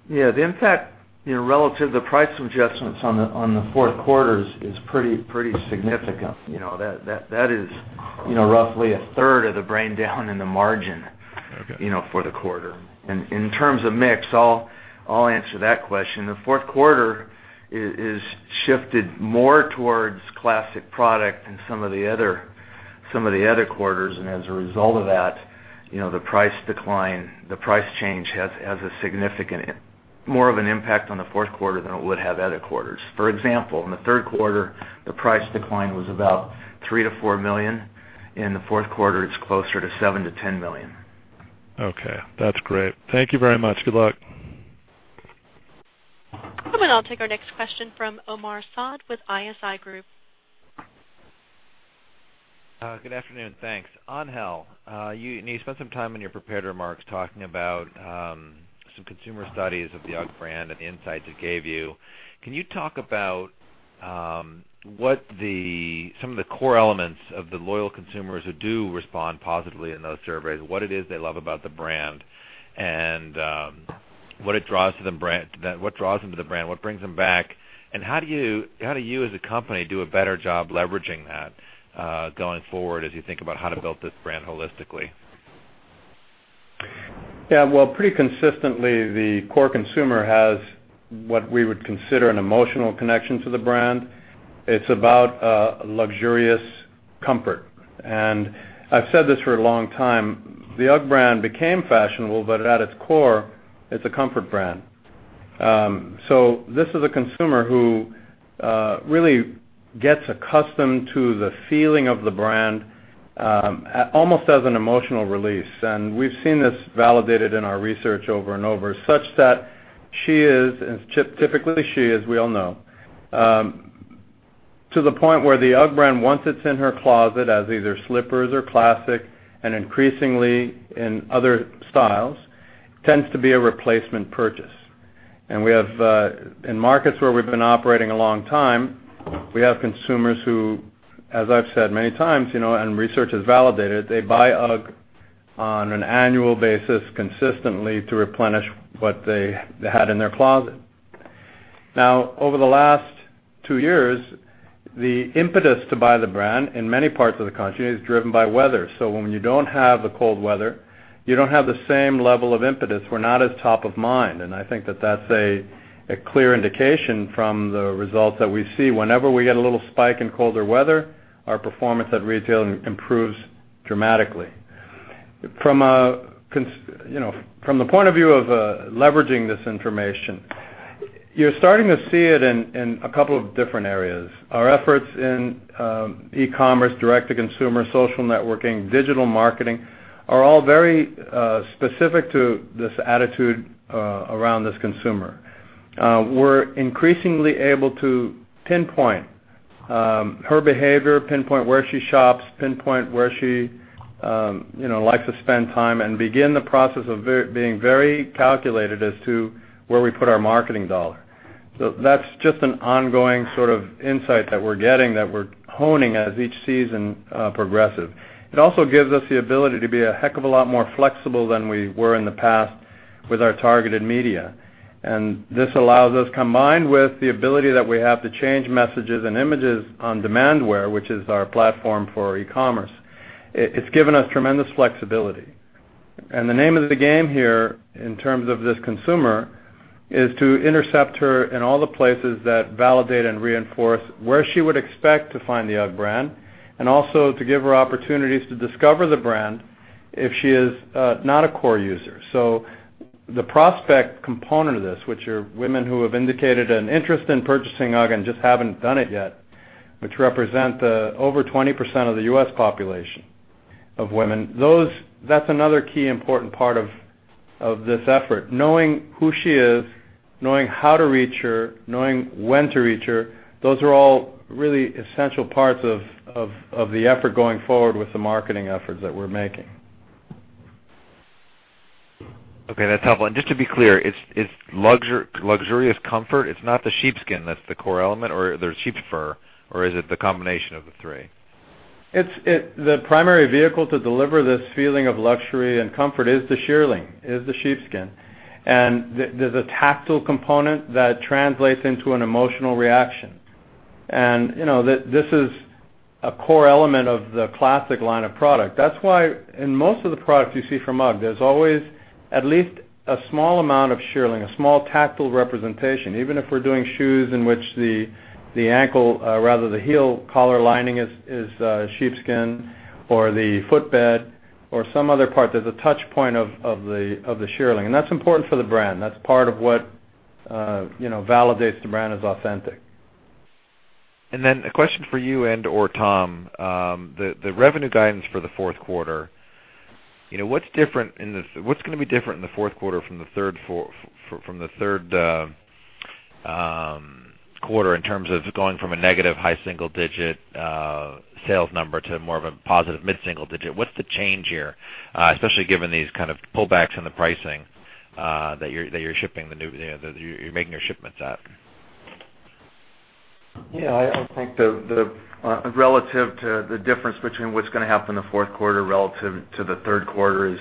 The impact relative to the price adjustments on the fourth quarter is pretty significant. That is roughly a third of the bring down in the margin for the quarter. Okay. In terms of mix, I'll answer that question. The fourth quarter is shifted more towards classic product than some of the other quarters, as a result of that, the price change has a significant, more of an impact on the fourth quarter than it would have other quarters. For example, in the third quarter, the price decline was about $3 million-$4 million. In the fourth quarter, it's closer to $7 million-$10 million. Okay, that's great. Thank you very much. Good luck. We'll take our next question from Omar Saad with ISI Group. Good afternoon. Thanks. Angel, you spent some time in your prepared remarks talking about some consumer studies of the UGG brand and the insights it gave you. Can you talk about some of the core elements of the loyal consumers who do respond positively in those surveys, what it is they love about the brand, and what draws them to the brand, what brings them back, and how do you, as a company, do a better job leveraging that going forward as you think about how to build this brand holistically? Yeah. Well, pretty consistently, the core consumer has what we would consider an emotional connection to the brand. It's about luxurious comfort. I've said this for a long time, the UGG brand became fashionable, but at its core, it's a comfort brand. This is a consumer who really gets accustomed to the feeling of the brand almost as an emotional release. We've seen this validated in our research over and over, such that she is, and it's typically she, as we all know, to the point where the UGG brand, once it's in her closet as either slippers or classic and increasingly in other styles, tends to be a replacement purchase. In markets where we've been operating a long time, we have consumers who, as I've said many times, and research has validated, they buy UGG on an annual basis consistently to replenish what they had in their closet. Over the last 2 years, the impetus to buy the brand in many parts of the country is driven by weather. When you don't have the cold weather You don't have the same level of impetus. We're not as top of mind, and I think that that's a clear indication from the results that we see. Whenever we get a little spike in colder weather, our performance at retail improves dramatically. From the point of view of leveraging this information, you're starting to see it in a couple of different areas. Our efforts in e-commerce, direct-to-consumer, social networking, digital marketing are all very specific to this attitude around this consumer. We're increasingly able to pinpoint her behavior, pinpoint where she shops, pinpoint where she likes to spend time and begin the process of being very calculated as to where we put our marketing dollar. That's just an ongoing sort of insight that we're getting, that we're honing as each season progresses. It also gives us the ability to be a heck of a lot more flexible than we were in the past with our targeted media. This allows us, combined with the ability that we have to change messages and images on Demandware, which is our platform for e-commerce. It's given us tremendous flexibility. The name of the game here, in terms of this consumer, is to intercept her in all the places that validate and reinforce where she would expect to find the UGG brand, and also to give her opportunities to discover the brand if she is not a core user. The prospect component of this, which are women who have indicated an interest in purchasing UGG and just haven't done it yet, which represent over 20% of the U.S. population of women, that's another key important part of this effort. Knowing who she is, knowing how to reach her, knowing when to reach her, those are all really essential parts of the effort going forward with the marketing efforts that we're making. Okay. That's helpful. Just to be clear, it's luxurious comfort, it's not the sheepskin that's the core element or the sheep fur, or is it the combination of the three? The primary vehicle to deliver this feeling of luxury and comfort is the shearling, is the sheepskin. There's a tactile component that translates into an emotional reaction. This is a core element of the classic line of product. That's why in most of the products you see from UGG, there's always at least a small amount of shearling, a small tactile representation. Even if we're doing shoes in which the heel collar lining is sheepskin or the foot bed or some other part, there's a touch point of the shearling. That's important for the brand. That's part of what validates the brand as authentic. A question for you and/or Tom, the revenue guidance for the fourth quarter. What's going to be different in the fourth quarter from the third quarter in terms of going from a negative high single digit sales number to more of a positive mid-single digit? What's the change here, especially given these kind of pullbacks in the pricing that you're making your shipments at? I think the relative to the difference between what's going to happen in the fourth quarter relative to the third quarter is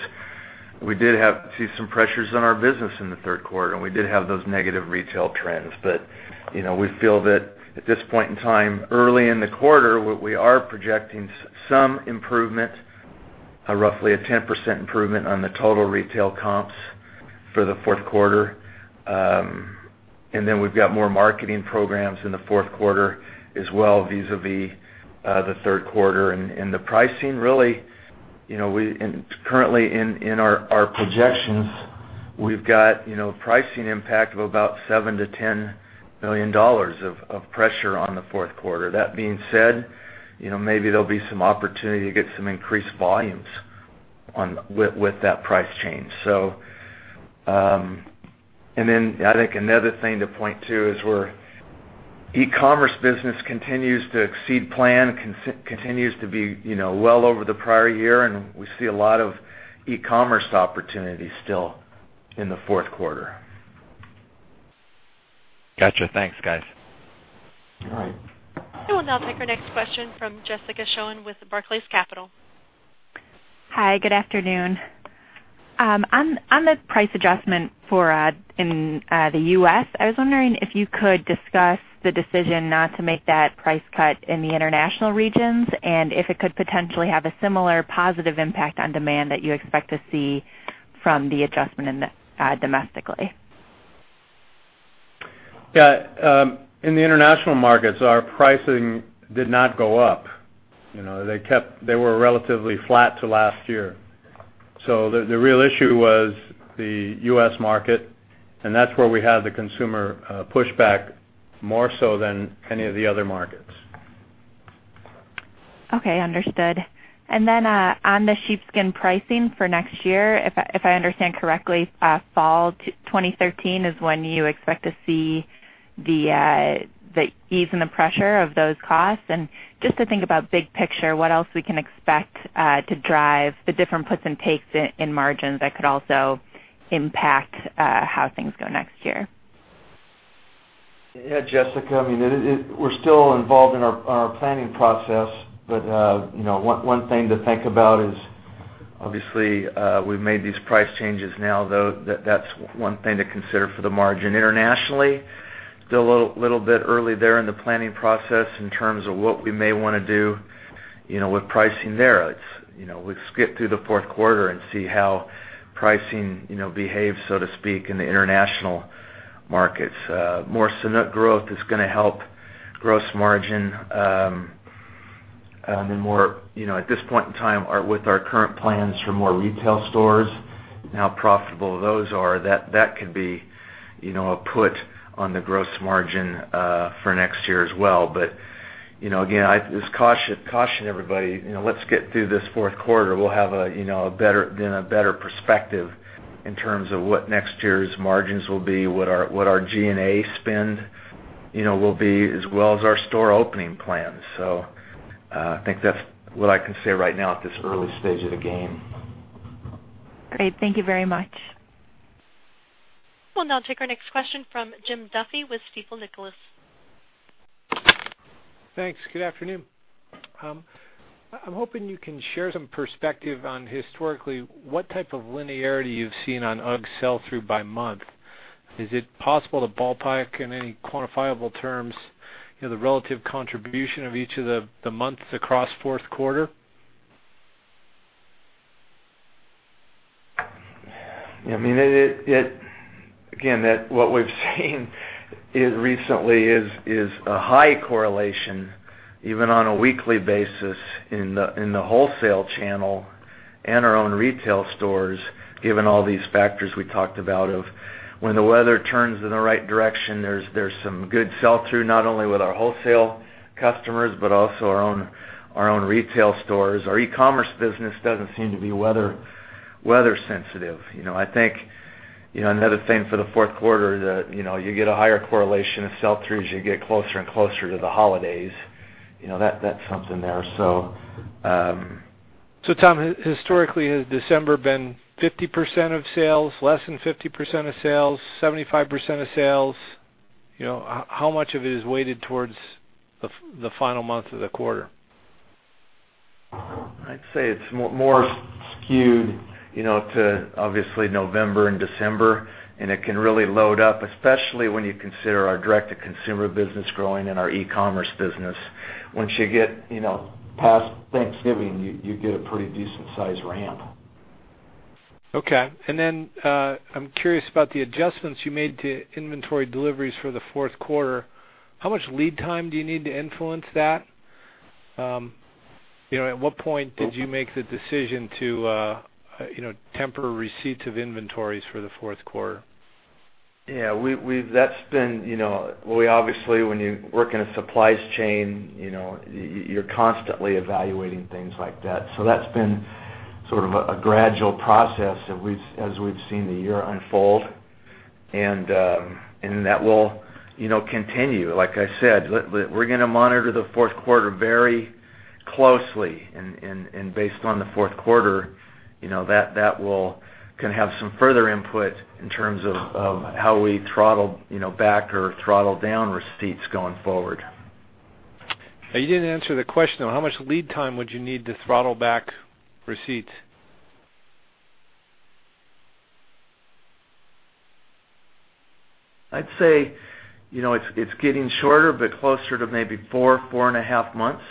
we did see some pressures on our business in the third quarter. We did have those negative retail trends. We feel that at this point in time, early in the quarter, we are projecting some improvement, roughly a 10% improvement on the total retail comps for the fourth quarter. We've got more marketing programs in the fourth quarter as well, vis-a-vis the third quarter. The pricing really, currently in our projections, we've got pricing impact of about $7 million-$10 million of pressure on the fourth quarter. That being said, maybe there'll be some opportunity to get some increased volumes with that price change. I think another thing to point to is where e-commerce business continues to exceed plan, continues to be well over the prior year, and we see a lot of e-commerce opportunities still in the fourth quarter. Got you. Thanks, guys. All right. I will now take our next question from Jessica Schoen with Barclays Capital. Hi, good afternoon. On the price adjustment in the U.S., I was wondering if you could discuss the decision not to make that price cut in the international regions and if it could potentially have a similar positive impact on demand that you expect to see from the adjustment domestically. Yeah. In the international markets, our pricing did not go up. They were relatively flat to last year. The real issue was the U.S. market, and that's where we had the consumer pushback more so than any of the other markets. Okay, understood. On the sheepskin pricing for next year, if I understand correctly, fall 2013 is when you expect to see the ease and the pressure of those costs. Just to think about big picture, what else we can expect to drive the different puts and takes in margins that could also impact how things go next year. Yeah, Jessica, we're still involved in our planning process, One thing to think about is obviously, we've made these price changes now, though, that's one thing to consider for the margin internationally. Still a little bit early there in the planning process in terms of what we may want to do with pricing there. We skip through the fourth quarter and see how pricing behaves, so to speak, in the international markets. More Sanuk growth is going to help gross margin. At this point in time, with our current plans for more retail stores and how profitable those are, that could be a put on the gross margin for next year as well. Again, just caution everybody. Let's get through this fourth quarter. We'll have a better perspective in terms of what next year's margins will be, what our G&A spend will be, as well as our store opening plans. I think that's what I can say right now at this early stage of the game. Great. Thank you very much. We'll now take our next question from Jim Duffy with Stifel Nicolaus. Thanks. Good afternoon. I'm hoping you can share some perspective on, historically, what type of linearity you've seen on UGG sell-through by month. Is it possible to ballpark, in any quantifiable terms, the relative contribution of each of the months across the fourth quarter? What we've seen recently is a high correlation, even on a weekly basis, in the wholesale channel and our own retail stores, given all these factors we talked about of when the weather turns in the right direction, there's some good sell-through, not only with our wholesale customers, but also our own retail stores. Our e-commerce business doesn't seem to be weather sensitive. I think another thing for the fourth quarter that you get a higher correlation of sell-throughs, you get closer and closer to the holidays. That's something there. Tom, historically, has December been 50% of sales, less than 50% of sales, 75% of sales? How much of it is weighted towards the final month of the quarter? I'd say it's more skewed to obviously November and December. It can really load up, especially when you consider our direct-to-consumer business growing and our e-commerce business. Once you get past Thanksgiving, you get a pretty decent sized ramp. Okay. I'm curious about the adjustments you made to inventory deliveries for the fourth quarter. How much lead time do you need to influence that? At what point did you make the decision to temper receipts of inventories for the fourth quarter? Obviously, when you work in a supply chain, you're constantly evaluating things like that. That's been sort of a gradual process as we've seen the year unfold. That will continue. Like I said, we're going to monitor the fourth quarter very closely, and based on the fourth quarter, that will have some further input in terms of how we throttle back or throttle down receipts going forward. You didn't answer the question, though. How much lead time would you need to throttle back receipts? I'd say it's getting shorter, but closer to maybe four and a half months.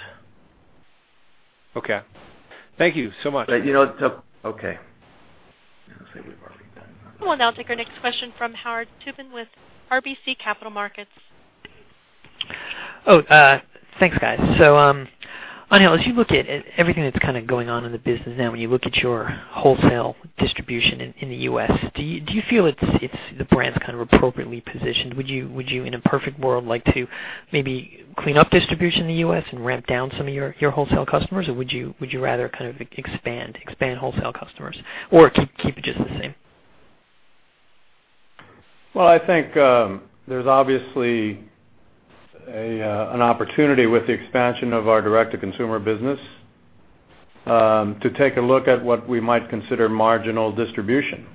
Okay. Thank you so much. Okay. I say we've already done that. We'll now take our next question from Howard Tubin with RBC Capital Markets. Thanks, guys. Angel, as you look at everything that's kind of going on in the business now, when you look at your wholesale distribution in the U.S., do you feel the brand's kind of appropriately positioned? Would you, in a perfect world, like to maybe clean up distribution in the U.S. and ramp down some of your wholesale customers? Would you rather kind of expand wholesale customers or keep it just the same? Well, I think there's obviously an opportunity with the expansion of our direct-to-consumer business to take a look at what we might consider marginal distribution.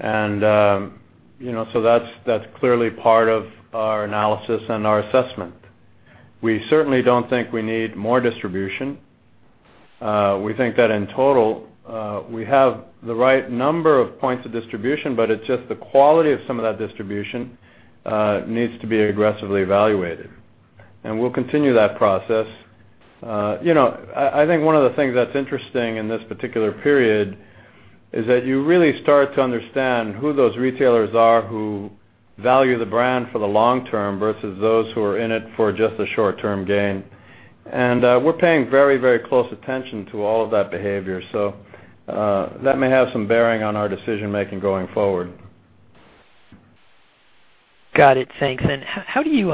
That's clearly part of our analysis and our assessment. We certainly don't think we need more distribution. We think that in total, we have the right number of points of distribution, but it's just the quality of some of that distribution needs to be aggressively evaluated. We'll continue that process. I think one of the things that's interesting in this particular period is that you really start to understand who those retailers are who value the brand for the long term versus those who are in it for just the short-term gain. We're paying very close attention to all of that behavior. That may have some bearing on our decision-making going forward. Got it. Thanks. How do you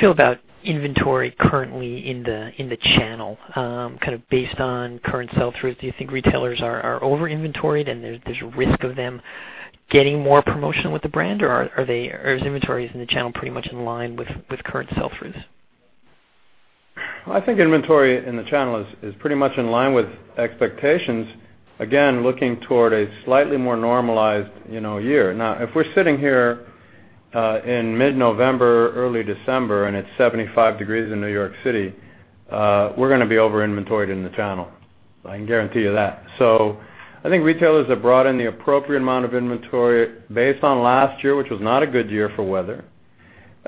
feel about inventory currently in the channel? Kind of based on current sell-throughs, do you think retailers are over-inventoried and there's risk of them getting more promotion with the brand, or is inventory in the channel pretty much in line with current sell-throughs? I think inventory in the channel is pretty much in line with expectations. Again, looking toward a slightly more normalized year. If we're sitting here in mid-November, early December, and it's 75 degrees in New York City, we're going to be over-inventoried in the channel I can guarantee you that. I think retailers have brought in the appropriate amount of inventory based on last year, which was not a good year for weather.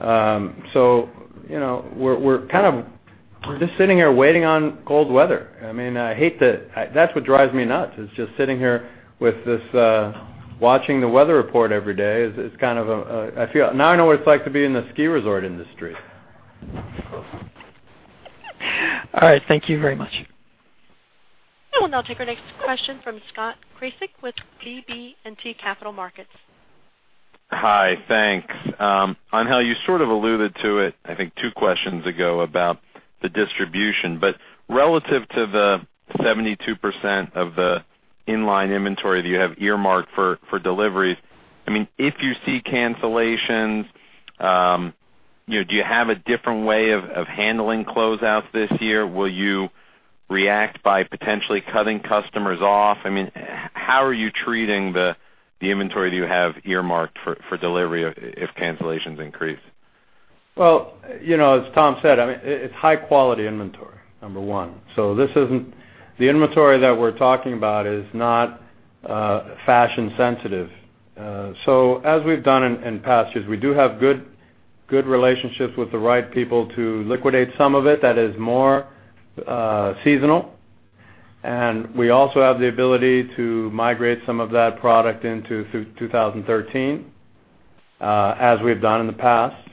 We're just sitting here waiting on cold weather. That's what drives me nuts, is just sitting here with this, watching the weather report every day. I know what it's like to be in the ski resort industry. All right. Thank you very much. I will now take our next question from Scott Krasik with BB&T Capital Markets. Hi, thanks. Angel, you sort of alluded to it, I think two questions ago about the distribution, relative to the 72% of the in-line inventory that you have earmarked for deliveries, if you see cancellations, do you have a different way of handling closeouts this year? Will you react by potentially cutting customers off? How are you treating the inventory that you have earmarked for delivery if cancellations increase? Well, as Tom said, it's high-quality inventory, number one. The inventory that we're talking about is not fashion sensitive. As we've done in past years, we do have good relationships with the right people to liquidate some of it that is more seasonal, and we also have the ability to migrate some of that product into 2013, as we've done in the past.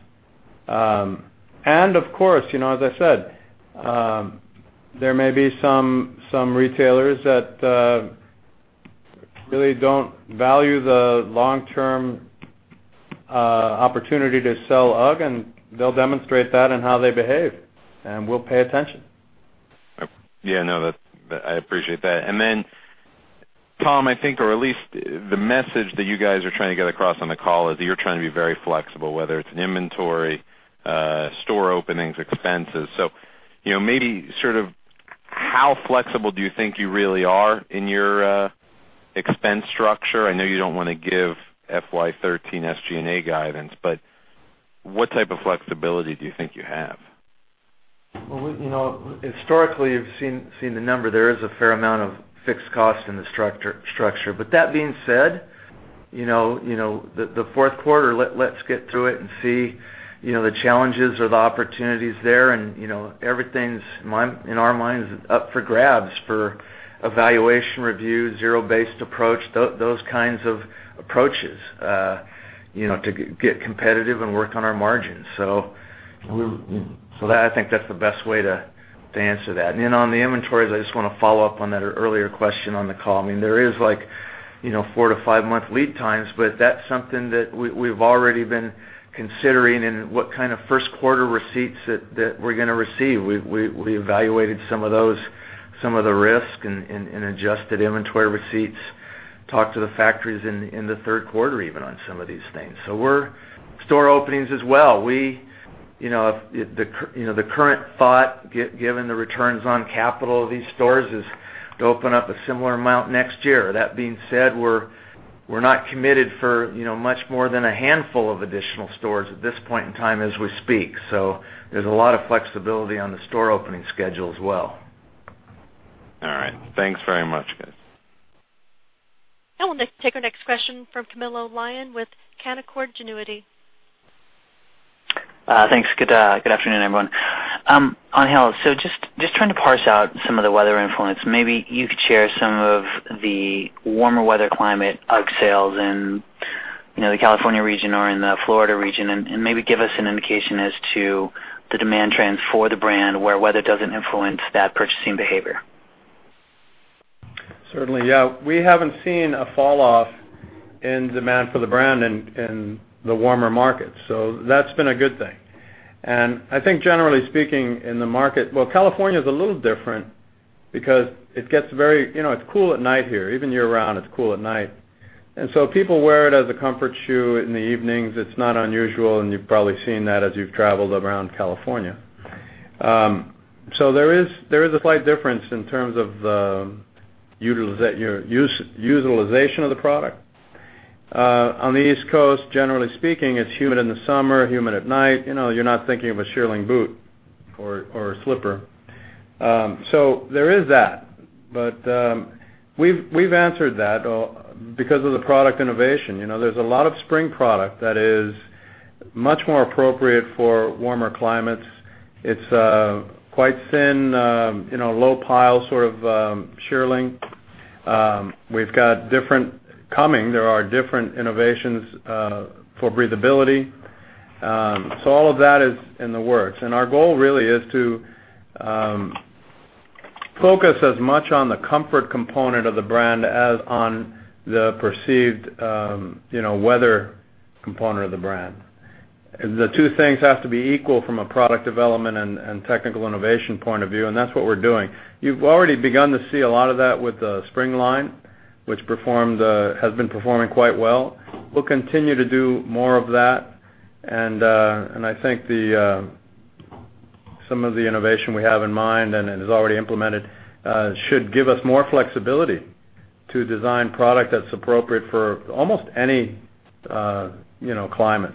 Of course, as I said, there may be some retailers that really don't value the long-term opportunity to sell UGG, and they'll demonstrate that in how they behave, and we'll pay attention. Yeah. I appreciate that. Then Tom, I think, or at least the message that you guys are trying to get across on the call is that you're trying to be very flexible, whether it's in inventory, store openings, expenses. So, maybe how flexible do you think you really are in your expense structure? I know you don't want to give FY 2013 SG&A guidance, what type of flexibility do you think you have? Historically, you've seen the number. There is a fair amount of fixed cost in the structure. That being said, the fourth quarter, let's get through it and see the challenges or the opportunities there, and everything's, in our minds, up for grabs for evaluation review, zero-based approach, those kinds of approaches, to get competitive and work on our margins. I think that's the best way to answer that. On the inventories, I just want to follow up on that earlier question on the call. There is four to five-month lead times, but that's something that we've already been considering in what kind of first-quarter receipts that we're going to receive. We evaluated some of those, some of the risk and adjusted inventory receipts, talked to the factories in the third quarter even on some of these things. Store openings as well. The current thought, given the returns on capital of these stores, is to open up a similar amount next year. That being said, we're not committed for much more than a handful of additional stores at this point in time as we speak. There's a lot of flexibility on the store opening schedule as well. All right. Thanks very much, guys. I will now take our next question from Camilo Lyon with Canaccord Genuity. Thanks. Good afternoon, everyone. Angel, just trying to parse out some of the weather influence, maybe you could share some of the warmer weather climate UGG sales in the California region or in the Florida region, maybe give us an indication as to the demand trends for the brand where weather doesn't influence that purchasing behavior. Certainly. Yeah. We haven't seen a fall-off in demand for the brand in the warmer markets. That's been a good thing. I think generally speaking, in the market, well, California is a little different because it's cool at night here. Even year-round, it's cool at night. People wear it as a comfort shoe in the evenings. It's not unusual, and you've probably seen that as you've traveled around California. There is a slight difference in terms of the utilization of the product. On the East Coast, generally speaking, it's humid in the summer, humid at night. You're not thinking of a shearling boot or a slipper. There is that. We've answered that because of the product innovation. There's a lot of spring product that is much more appropriate for warmer climates. It's quite thin, low pile sort of shearling. We've got different coming. There are different innovations for breathability. All of that is in the works, our goal really is to focus as much on the comfort component of the brand as on the perceived weather component of the brand. The two things have to be equal from a product development and technical innovation point of view, that's what we're doing. You've already begun to see a lot of that with the spring line, which has been performing quite well. We'll continue to do more of that, I think some of the innovation we have in mind and is already implemented should give us more flexibility to design product that's appropriate for almost any climate.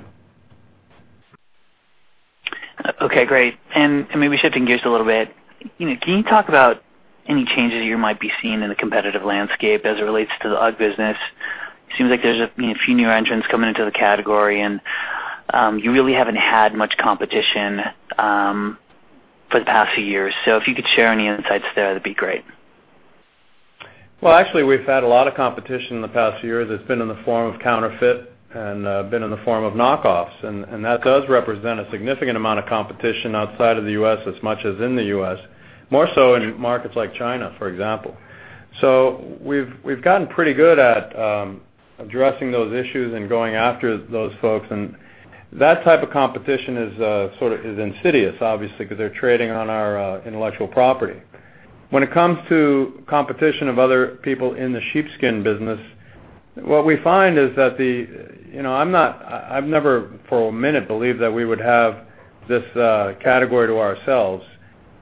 Okay, great. Maybe shifting gears a little bit, can you talk about any changes you might be seeing in the competitive landscape as it relates to the UGG business? It seems like there's a few new entrants coming into the category, you really haven't had much competition for the past few years. If you could share any insights there, that'd be great. Well, actually, we've had a lot of competition in the past few years that's been in the form of counterfeit and been in the form of knock-offs. That does represent a significant amount of competition outside of the U.S. as much as in the U.S., more so in markets like China, for example. We've gotten pretty good at addressing those issues and going after those folks. That type of competition is insidious, obviously, because they're trading on our intellectual property. When it comes to competition of other people in the sheepskin business, what we find is that I've never, for a minute, believed that we would have this category to ourselves.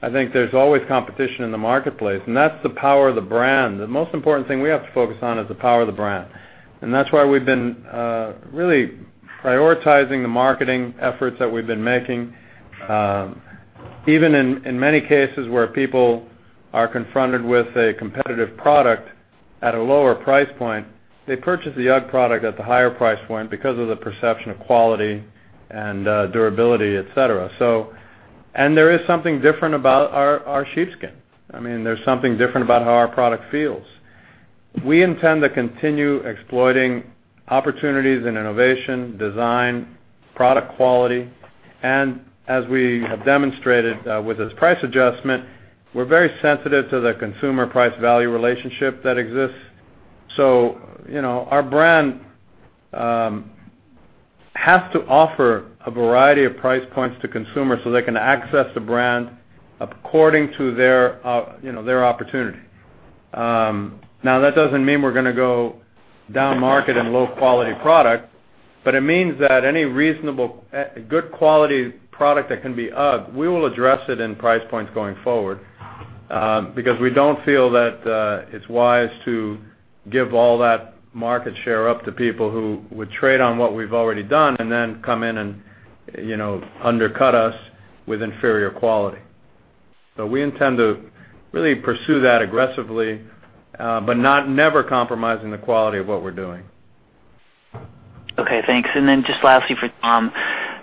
I think there's always competition in the marketplace, and that's the power of the brand. The most important thing we have to focus on is the power of the brand. That's why we've been really prioritizing the marketing efforts that we've been making. Even in many cases where people are confronted with a competitive product at a lower price point, they purchase the UGG product at the higher price point because of the perception of quality and durability, et cetera. There is something different about our sheepskin. There's something different about how our product feels. We intend to continue exploiting opportunities in innovation, design, product quality, and as we have demonstrated with this price adjustment, we're very sensitive to the consumer price value relationship that exists. Our brand has to offer a variety of price points to consumers so they can access the brand according to their opportunity. Now, that doesn't mean we're going to go down market in low-quality product, but it means that any reasonable, good quality product that can be UGG, we will address it in price points going forward, because we don't feel that it's wise to give all that market share up to people who would trade on what we've already done and then come in and undercut us with inferior quality. We intend to really pursue that aggressively, but never compromising the quality of what we're doing. Okay, thanks. Then just lastly for Tom,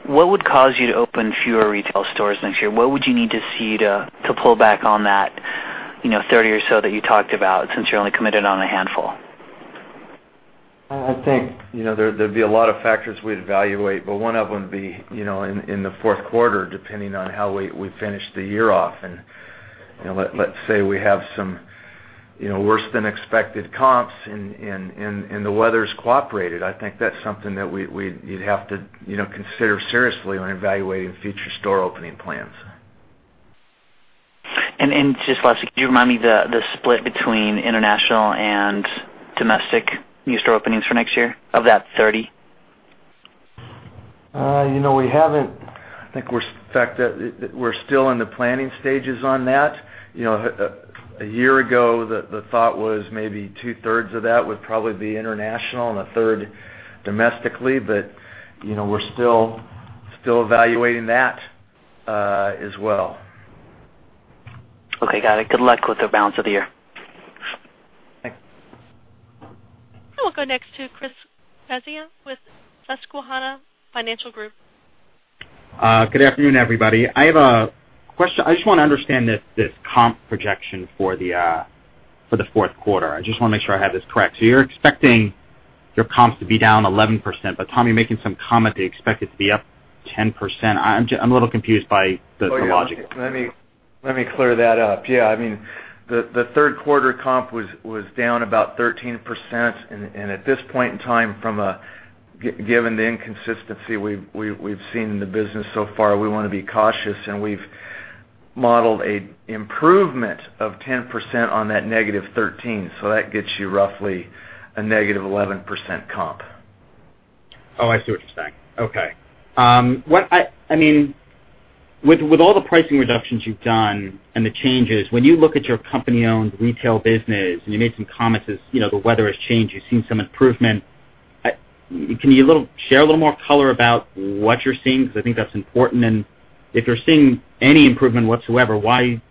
what would cause you to open fewer retail stores next year? What would you need to see to pull back on that 30 or so that you talked about, since you're only committed on a handful? I think there'd be a lot of factors we'd evaluate, but one of them would be in the fourth quarter, depending on how we finish the year off. Let's say we have some worse-than-expected comps and the weather's cooperated, I think that's something that you'd have to consider seriously when evaluating future store opening plans. Just lastly, could you remind me the split between international and domestic new store openings for next year of that 30? We haven't. I think we're still in the planning stages on that. A year ago, the thought was maybe two-thirds of that would probably be international and a third domestically, we're still evaluating that, as well. Okay, got it. Good luck with the balance of the year. Thanks. We'll go next to Christopher Svezia with Susquehanna Financial Group. Good afternoon, everybody. I just want to understand this comp projection for the fourth quarter. I just want to make sure I have this correct. You're expecting your comps to be down 11%, but Tom, you're making some comment that you expect it to be up 10%. I'm a little confused by the logic. Let me clear that up. Yeah, the third quarter comp was down about 13%, and at this point in time, given the inconsistency we've seen in the business so far, we want to be cautious, and we've modeled an improvement of 10% on that -13%. That gets you roughly a -11% comp. Oh, I see what you're saying. Okay. With all the pricing reductions you've done and the changes, when you look at your company-owned retail business, and you made some comments as the weather has changed, you've seen some improvement. Can you share a little more color about what you're seeing, because I think that's important, and if you're seeing any improvement whatsoever, why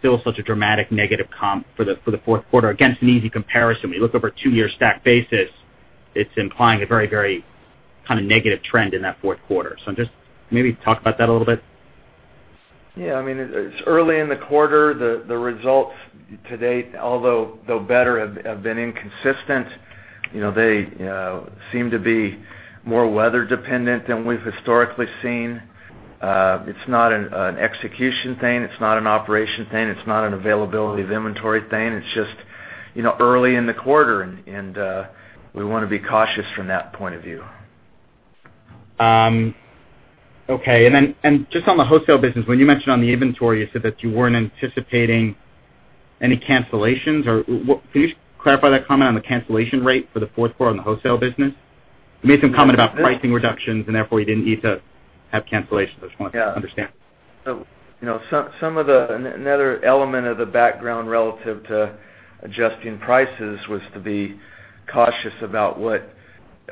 still such a dramatic negative comp for the fourth quarter? Again, it's an easy comparison. When you look over a two-year stacked basis, it's implying a very negative trend in that fourth quarter. Just maybe talk about that a little bit. Yeah. It's early in the quarter. The results to date, although better, have been inconsistent. They seem to be more weather dependent than we've historically seen. It's not an execution thing, it's not an operation thing, it's not an availability of inventory thing. It's just early in the quarter. We want to be cautious from that point of view. Okay. Just on the wholesale business, when you mentioned on the inventory, you said that you weren't anticipating any cancellations, or can you just clarify that comment on the cancellation rate for the fourth quarter on the wholesale business? You made some comment about pricing reductions, therefore you didn't need to have cancellations. I just wanted to understand. Another element of the background relative to adjusting prices was to be cautious about what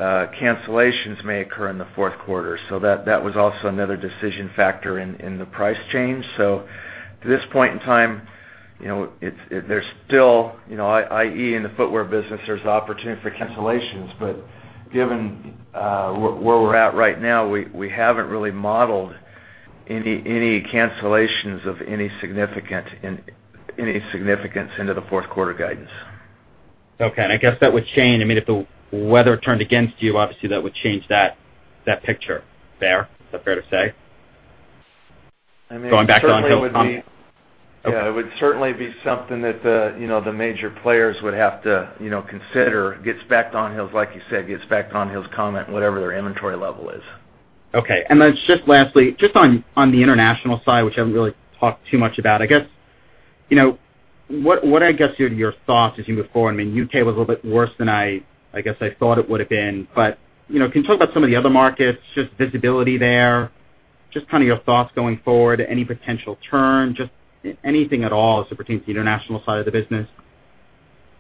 cancellations may occur in the fourth quarter. That was also another decision factor in the price change. To this point in time, there's still, i.e., in the footwear business, there's opportunity for cancellations. Given where we're at right now, we haven't really modeled any cancellations of any significance into the fourth quarter guidance. I guess that would change, if the weather turned against you, obviously that would change that picture there. Is that fair to say? Going back to Don Hill's comment. Yeah. It would certainly be something that the major players would have to consider, gets back to Don Hill's, like you said, gets back to Don Hill's comment, whatever their inventory level is. Okay. Just lastly, just on the international side, which I haven't really talked too much about, what are, I guess, your thoughts as you move forward? U.K. was a little bit worse than, I guess, I thought it would've been. Can you talk about some of the other markets, just visibility there, just your thoughts going forward, any potential turn, just anything at all as it pertains to the international side of the business?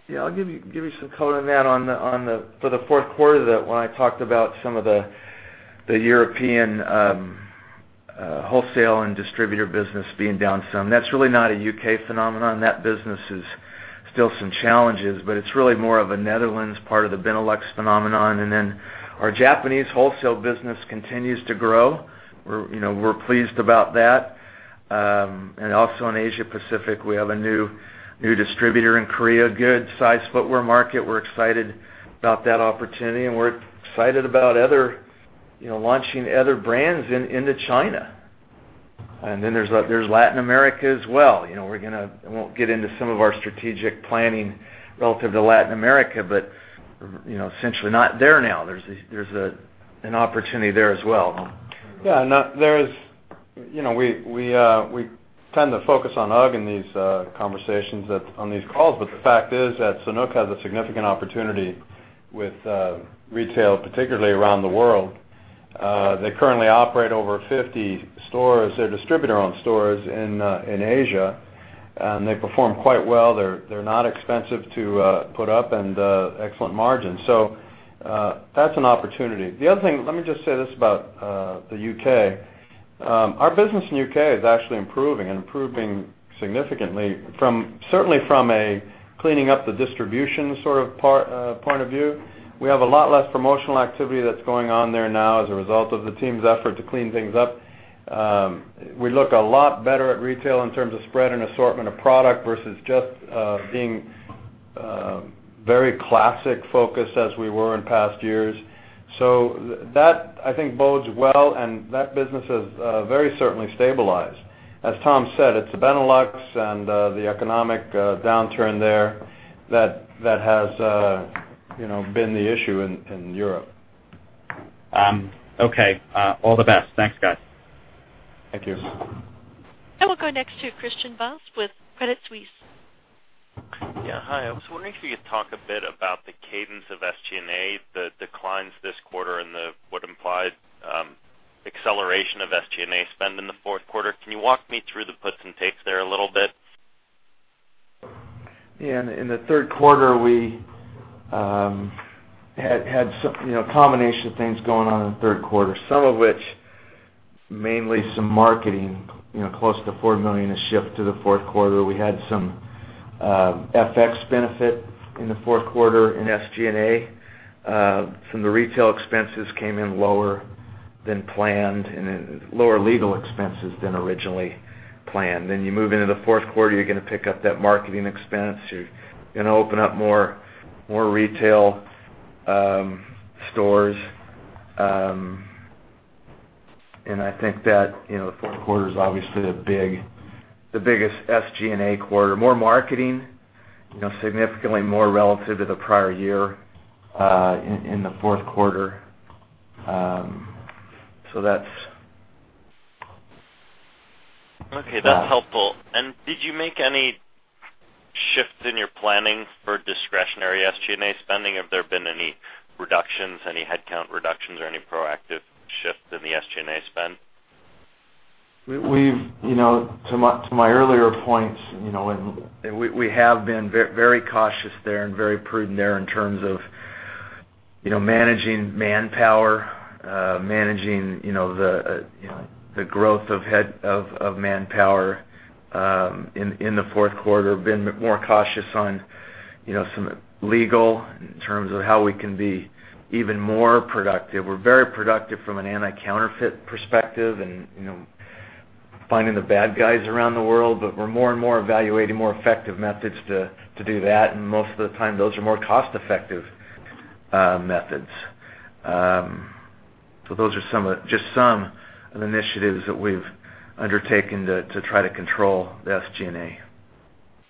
Yeah, I'll give you some color on that for the fourth quarter, when I talked about some of the European wholesale and distributor business being down some. That's really not a U.K. phenomenon. That business is still some challenges, but it's really more of a Netherlands part of the Benelux phenomenon. Our Japanese wholesale business continues to grow. We're pleased about that. Also in Asia Pacific, we have a new distributor in Korea, good size footwear market. We're excited about that opportunity, and we're excited about launching other brands into China. There's Latin America as well. I won't get into some of our strategic planning relative to Latin America, but essentially not there now. There's an opportunity there as well. Yeah. The fact is that Sanuk has a significant opportunity with retail, particularly around the world. They currently operate over 50 stores. They're distributor-owned stores in Asia, they perform quite well. They're not expensive to put up and excellent margin. That's an opportunity. The other thing, let me just say this about the U.K. Our business in U.K. is actually improving and improving significantly, certainly from a cleaning up the distribution sort of point of view. We have a lot less promotional activity that's going on there now as a result of the team's effort to clean things up. We look a lot better at retail in terms of spread and assortment of product versus just being very classic focused as we were in past years. That, I think, bodes well, that business has very certainly stabilized. As Tom said, it's Benelux and the economic downturn there that has been the issue in Europe. Okay. All the best. Thanks, guys. Thank you. We'll go next to Christian Buss with Credit Suisse. Yeah. Hi. I was wondering if you could talk a bit about the cadence of SG&A, the declines this quarter, and the would imply acceleration of SG&A spend in the fourth quarter. Can you walk me through the puts and takes there a little bit? Yeah. In the third quarter, we had some combination of things going on in the third quarter, some of which, mainly some marketing, close to $4 million is shipped to the fourth quarter. We had some FX benefit in the fourth quarter in SG&A. Some of the retail expenses came in lower than planned and lower legal expenses than originally planned. You move into the fourth quarter, you're gonna pick up that marketing expense. You're gonna open up more retail stores. I think that the fourth quarter is obviously the biggest SG&A quarter. More marketing, significantly more relative to the prior year in the fourth quarter. Okay. That's helpful. Did you make any shifts in your planning for discretionary SG&A spending? Have there been any reductions, any headcount reductions, or any proactive shifts in the SG&A spend? To my earlier points, we have been very cautious there and very prudent there in terms of managing manpower, managing the growth of manpower in the fourth quarter, been more cautious on some legal in terms of how we can be even more productive. We're very productive from an anti-counterfeit perspective and finding the bad guys around the world. We're more and more evaluating more effective methods to do that, and most of the time, those are more cost-effective methods. Those are just some of the initiatives that we've undertaken to try to control the SG&A.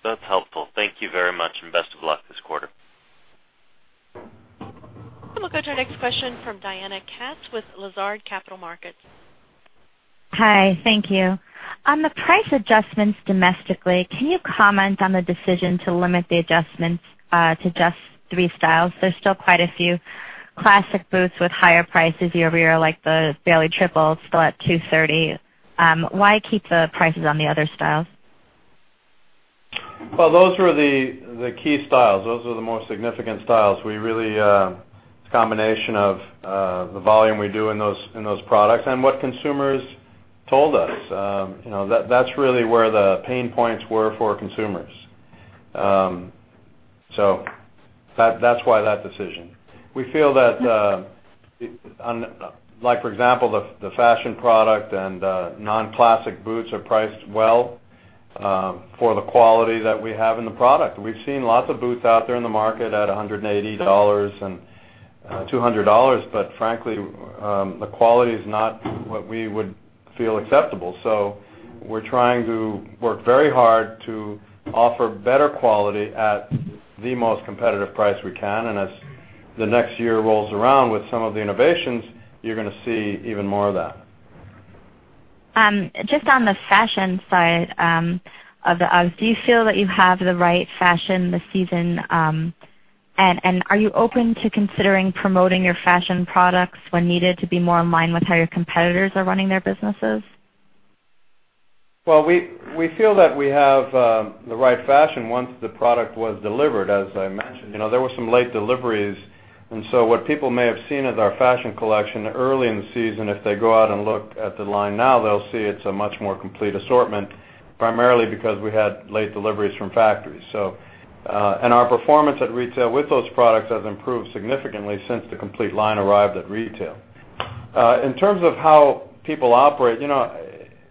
That's helpful. Thank you very much, and best of luck this quarter. We'll go to our next question from Diana Katz with Lazard Capital Markets. Hi. Thank you. On the price adjustments domestically, can you comment on the decision to limit the adjustments to just three styles? There's still quite a few classic boots with higher prices year-over-year, like the Bailey Triple still at $230. Why keep the prices on the other styles? Well, those were the key styles. Those were the most significant styles. It's a combination of the volume we do in those products and what consumers told us. That's really where the pain points were for consumers. That's why that decision. We feel that, for example, the fashion product and non-Classic boots are priced well for the quality that we have in the product. We've seen lots of boots out there in the market at $180 and $200, but frankly, the quality is not what we would feel acceptable. We're trying to work very hard to offer better quality at the most competitive price we can, and as the next year rolls around with some of the innovations, you're going to see even more of that. Just on the fashion side of the UGG, do you feel that you have the right fashion this season? Are you open to considering promoting your fashion products when needed to be more in line with how your competitors are running their businesses? Well, we feel that we have the right fashion once the product was delivered. As I mentioned, there were some late deliveries, what people may have seen as our fashion collection early in the season, if they go out and look at the line now, they'll see it's a much more complete assortment, primarily because we had late deliveries from factories. Our performance at retail with those products has improved significantly since the complete line arrived at retail. In terms of how people operate,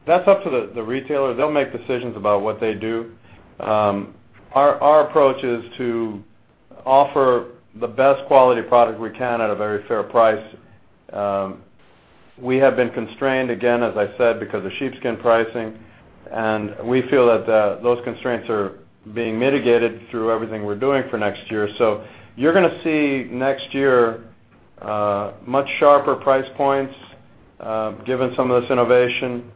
that's up to the retailer. They'll make decisions about what they do. Our approach is to offer the best quality product we can at a very fair price. We have been constrained, again, as I said, because of sheepskin pricing, we feel that those constraints are being mitigated through everything we're doing for next year. You're going to see, next year, much sharper price points given some of this innovation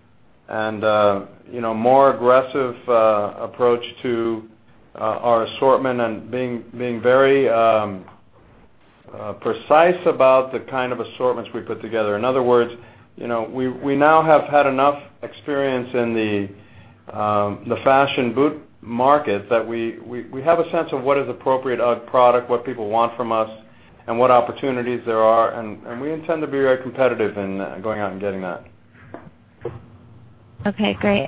and more aggressive approach to our assortment and being very precise about the kind of assortments we put together. In other words, we now have had enough experience in the fashion boot market that we have a sense of what is appropriate UGG product, what people want from us, and what opportunities there are, we intend to be very competitive in going out and getting that. Okay, great.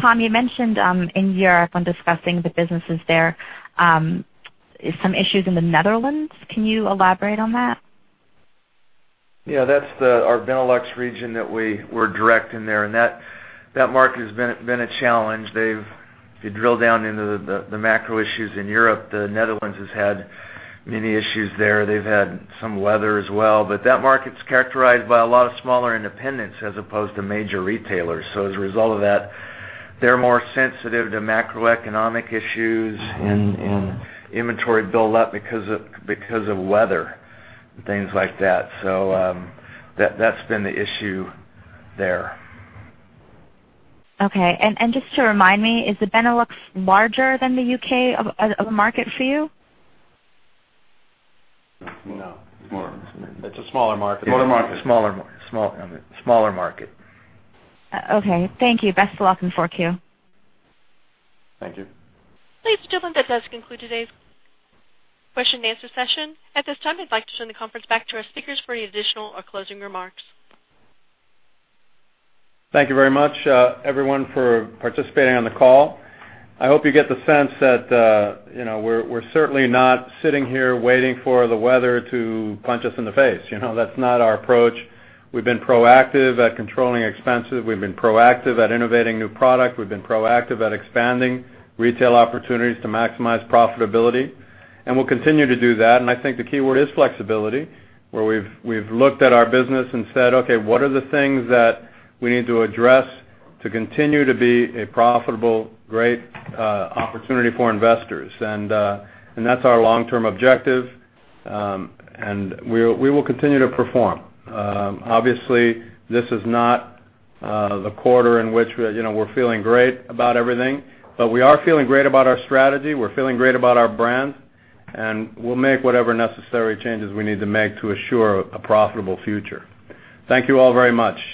Tom, you mentioned in Europe when discussing the businesses there, some issues in the Netherlands. Can you elaborate on that? Yeah, that's our Benelux region that we're direct in there, that market has been a challenge. If you drill down into the macro issues in Europe, the Netherlands has had many issues there. They've had some weather as well. That market's characterized by a lot of smaller independents as opposed to major retailers. As a result of that, they're more sensitive to macroeconomic issues and inventory buildup because of weather and things like that. That's been the issue there. Okay. Just to remind me, is the Benelux larger than the U.K. of a market for you? No. No. It's a smaller market. Smaller market. Okay. Thank you. Best of luck in 4Q. Thank you. Ladies and gentlemen, that does conclude today's question and answer session. At this time, I'd like to turn the conference back to our speakers for any additional or closing remarks. Thank you very much, everyone, for participating on the call. I hope you get the sense that we're certainly not sitting here waiting for the weather to punch us in the face. That's not our approach. We've been proactive at controlling expenses. We've been proactive at innovating new product. We've been proactive at expanding retail opportunities to maximize profitability, and we'll continue to do that. I think the keyword is flexibility, where we've looked at our business and said, "Okay, what are the things that we need to address to continue to be a profitable, great opportunity for investors?" That's our long-term objective. We will continue to perform. Obviously, this is not the quarter in which we're feeling great about everything, but we are feeling great about our strategy. We're feeling great about our brand, and we'll make whatever necessary changes we need to make to assure a profitable future. Thank you all very much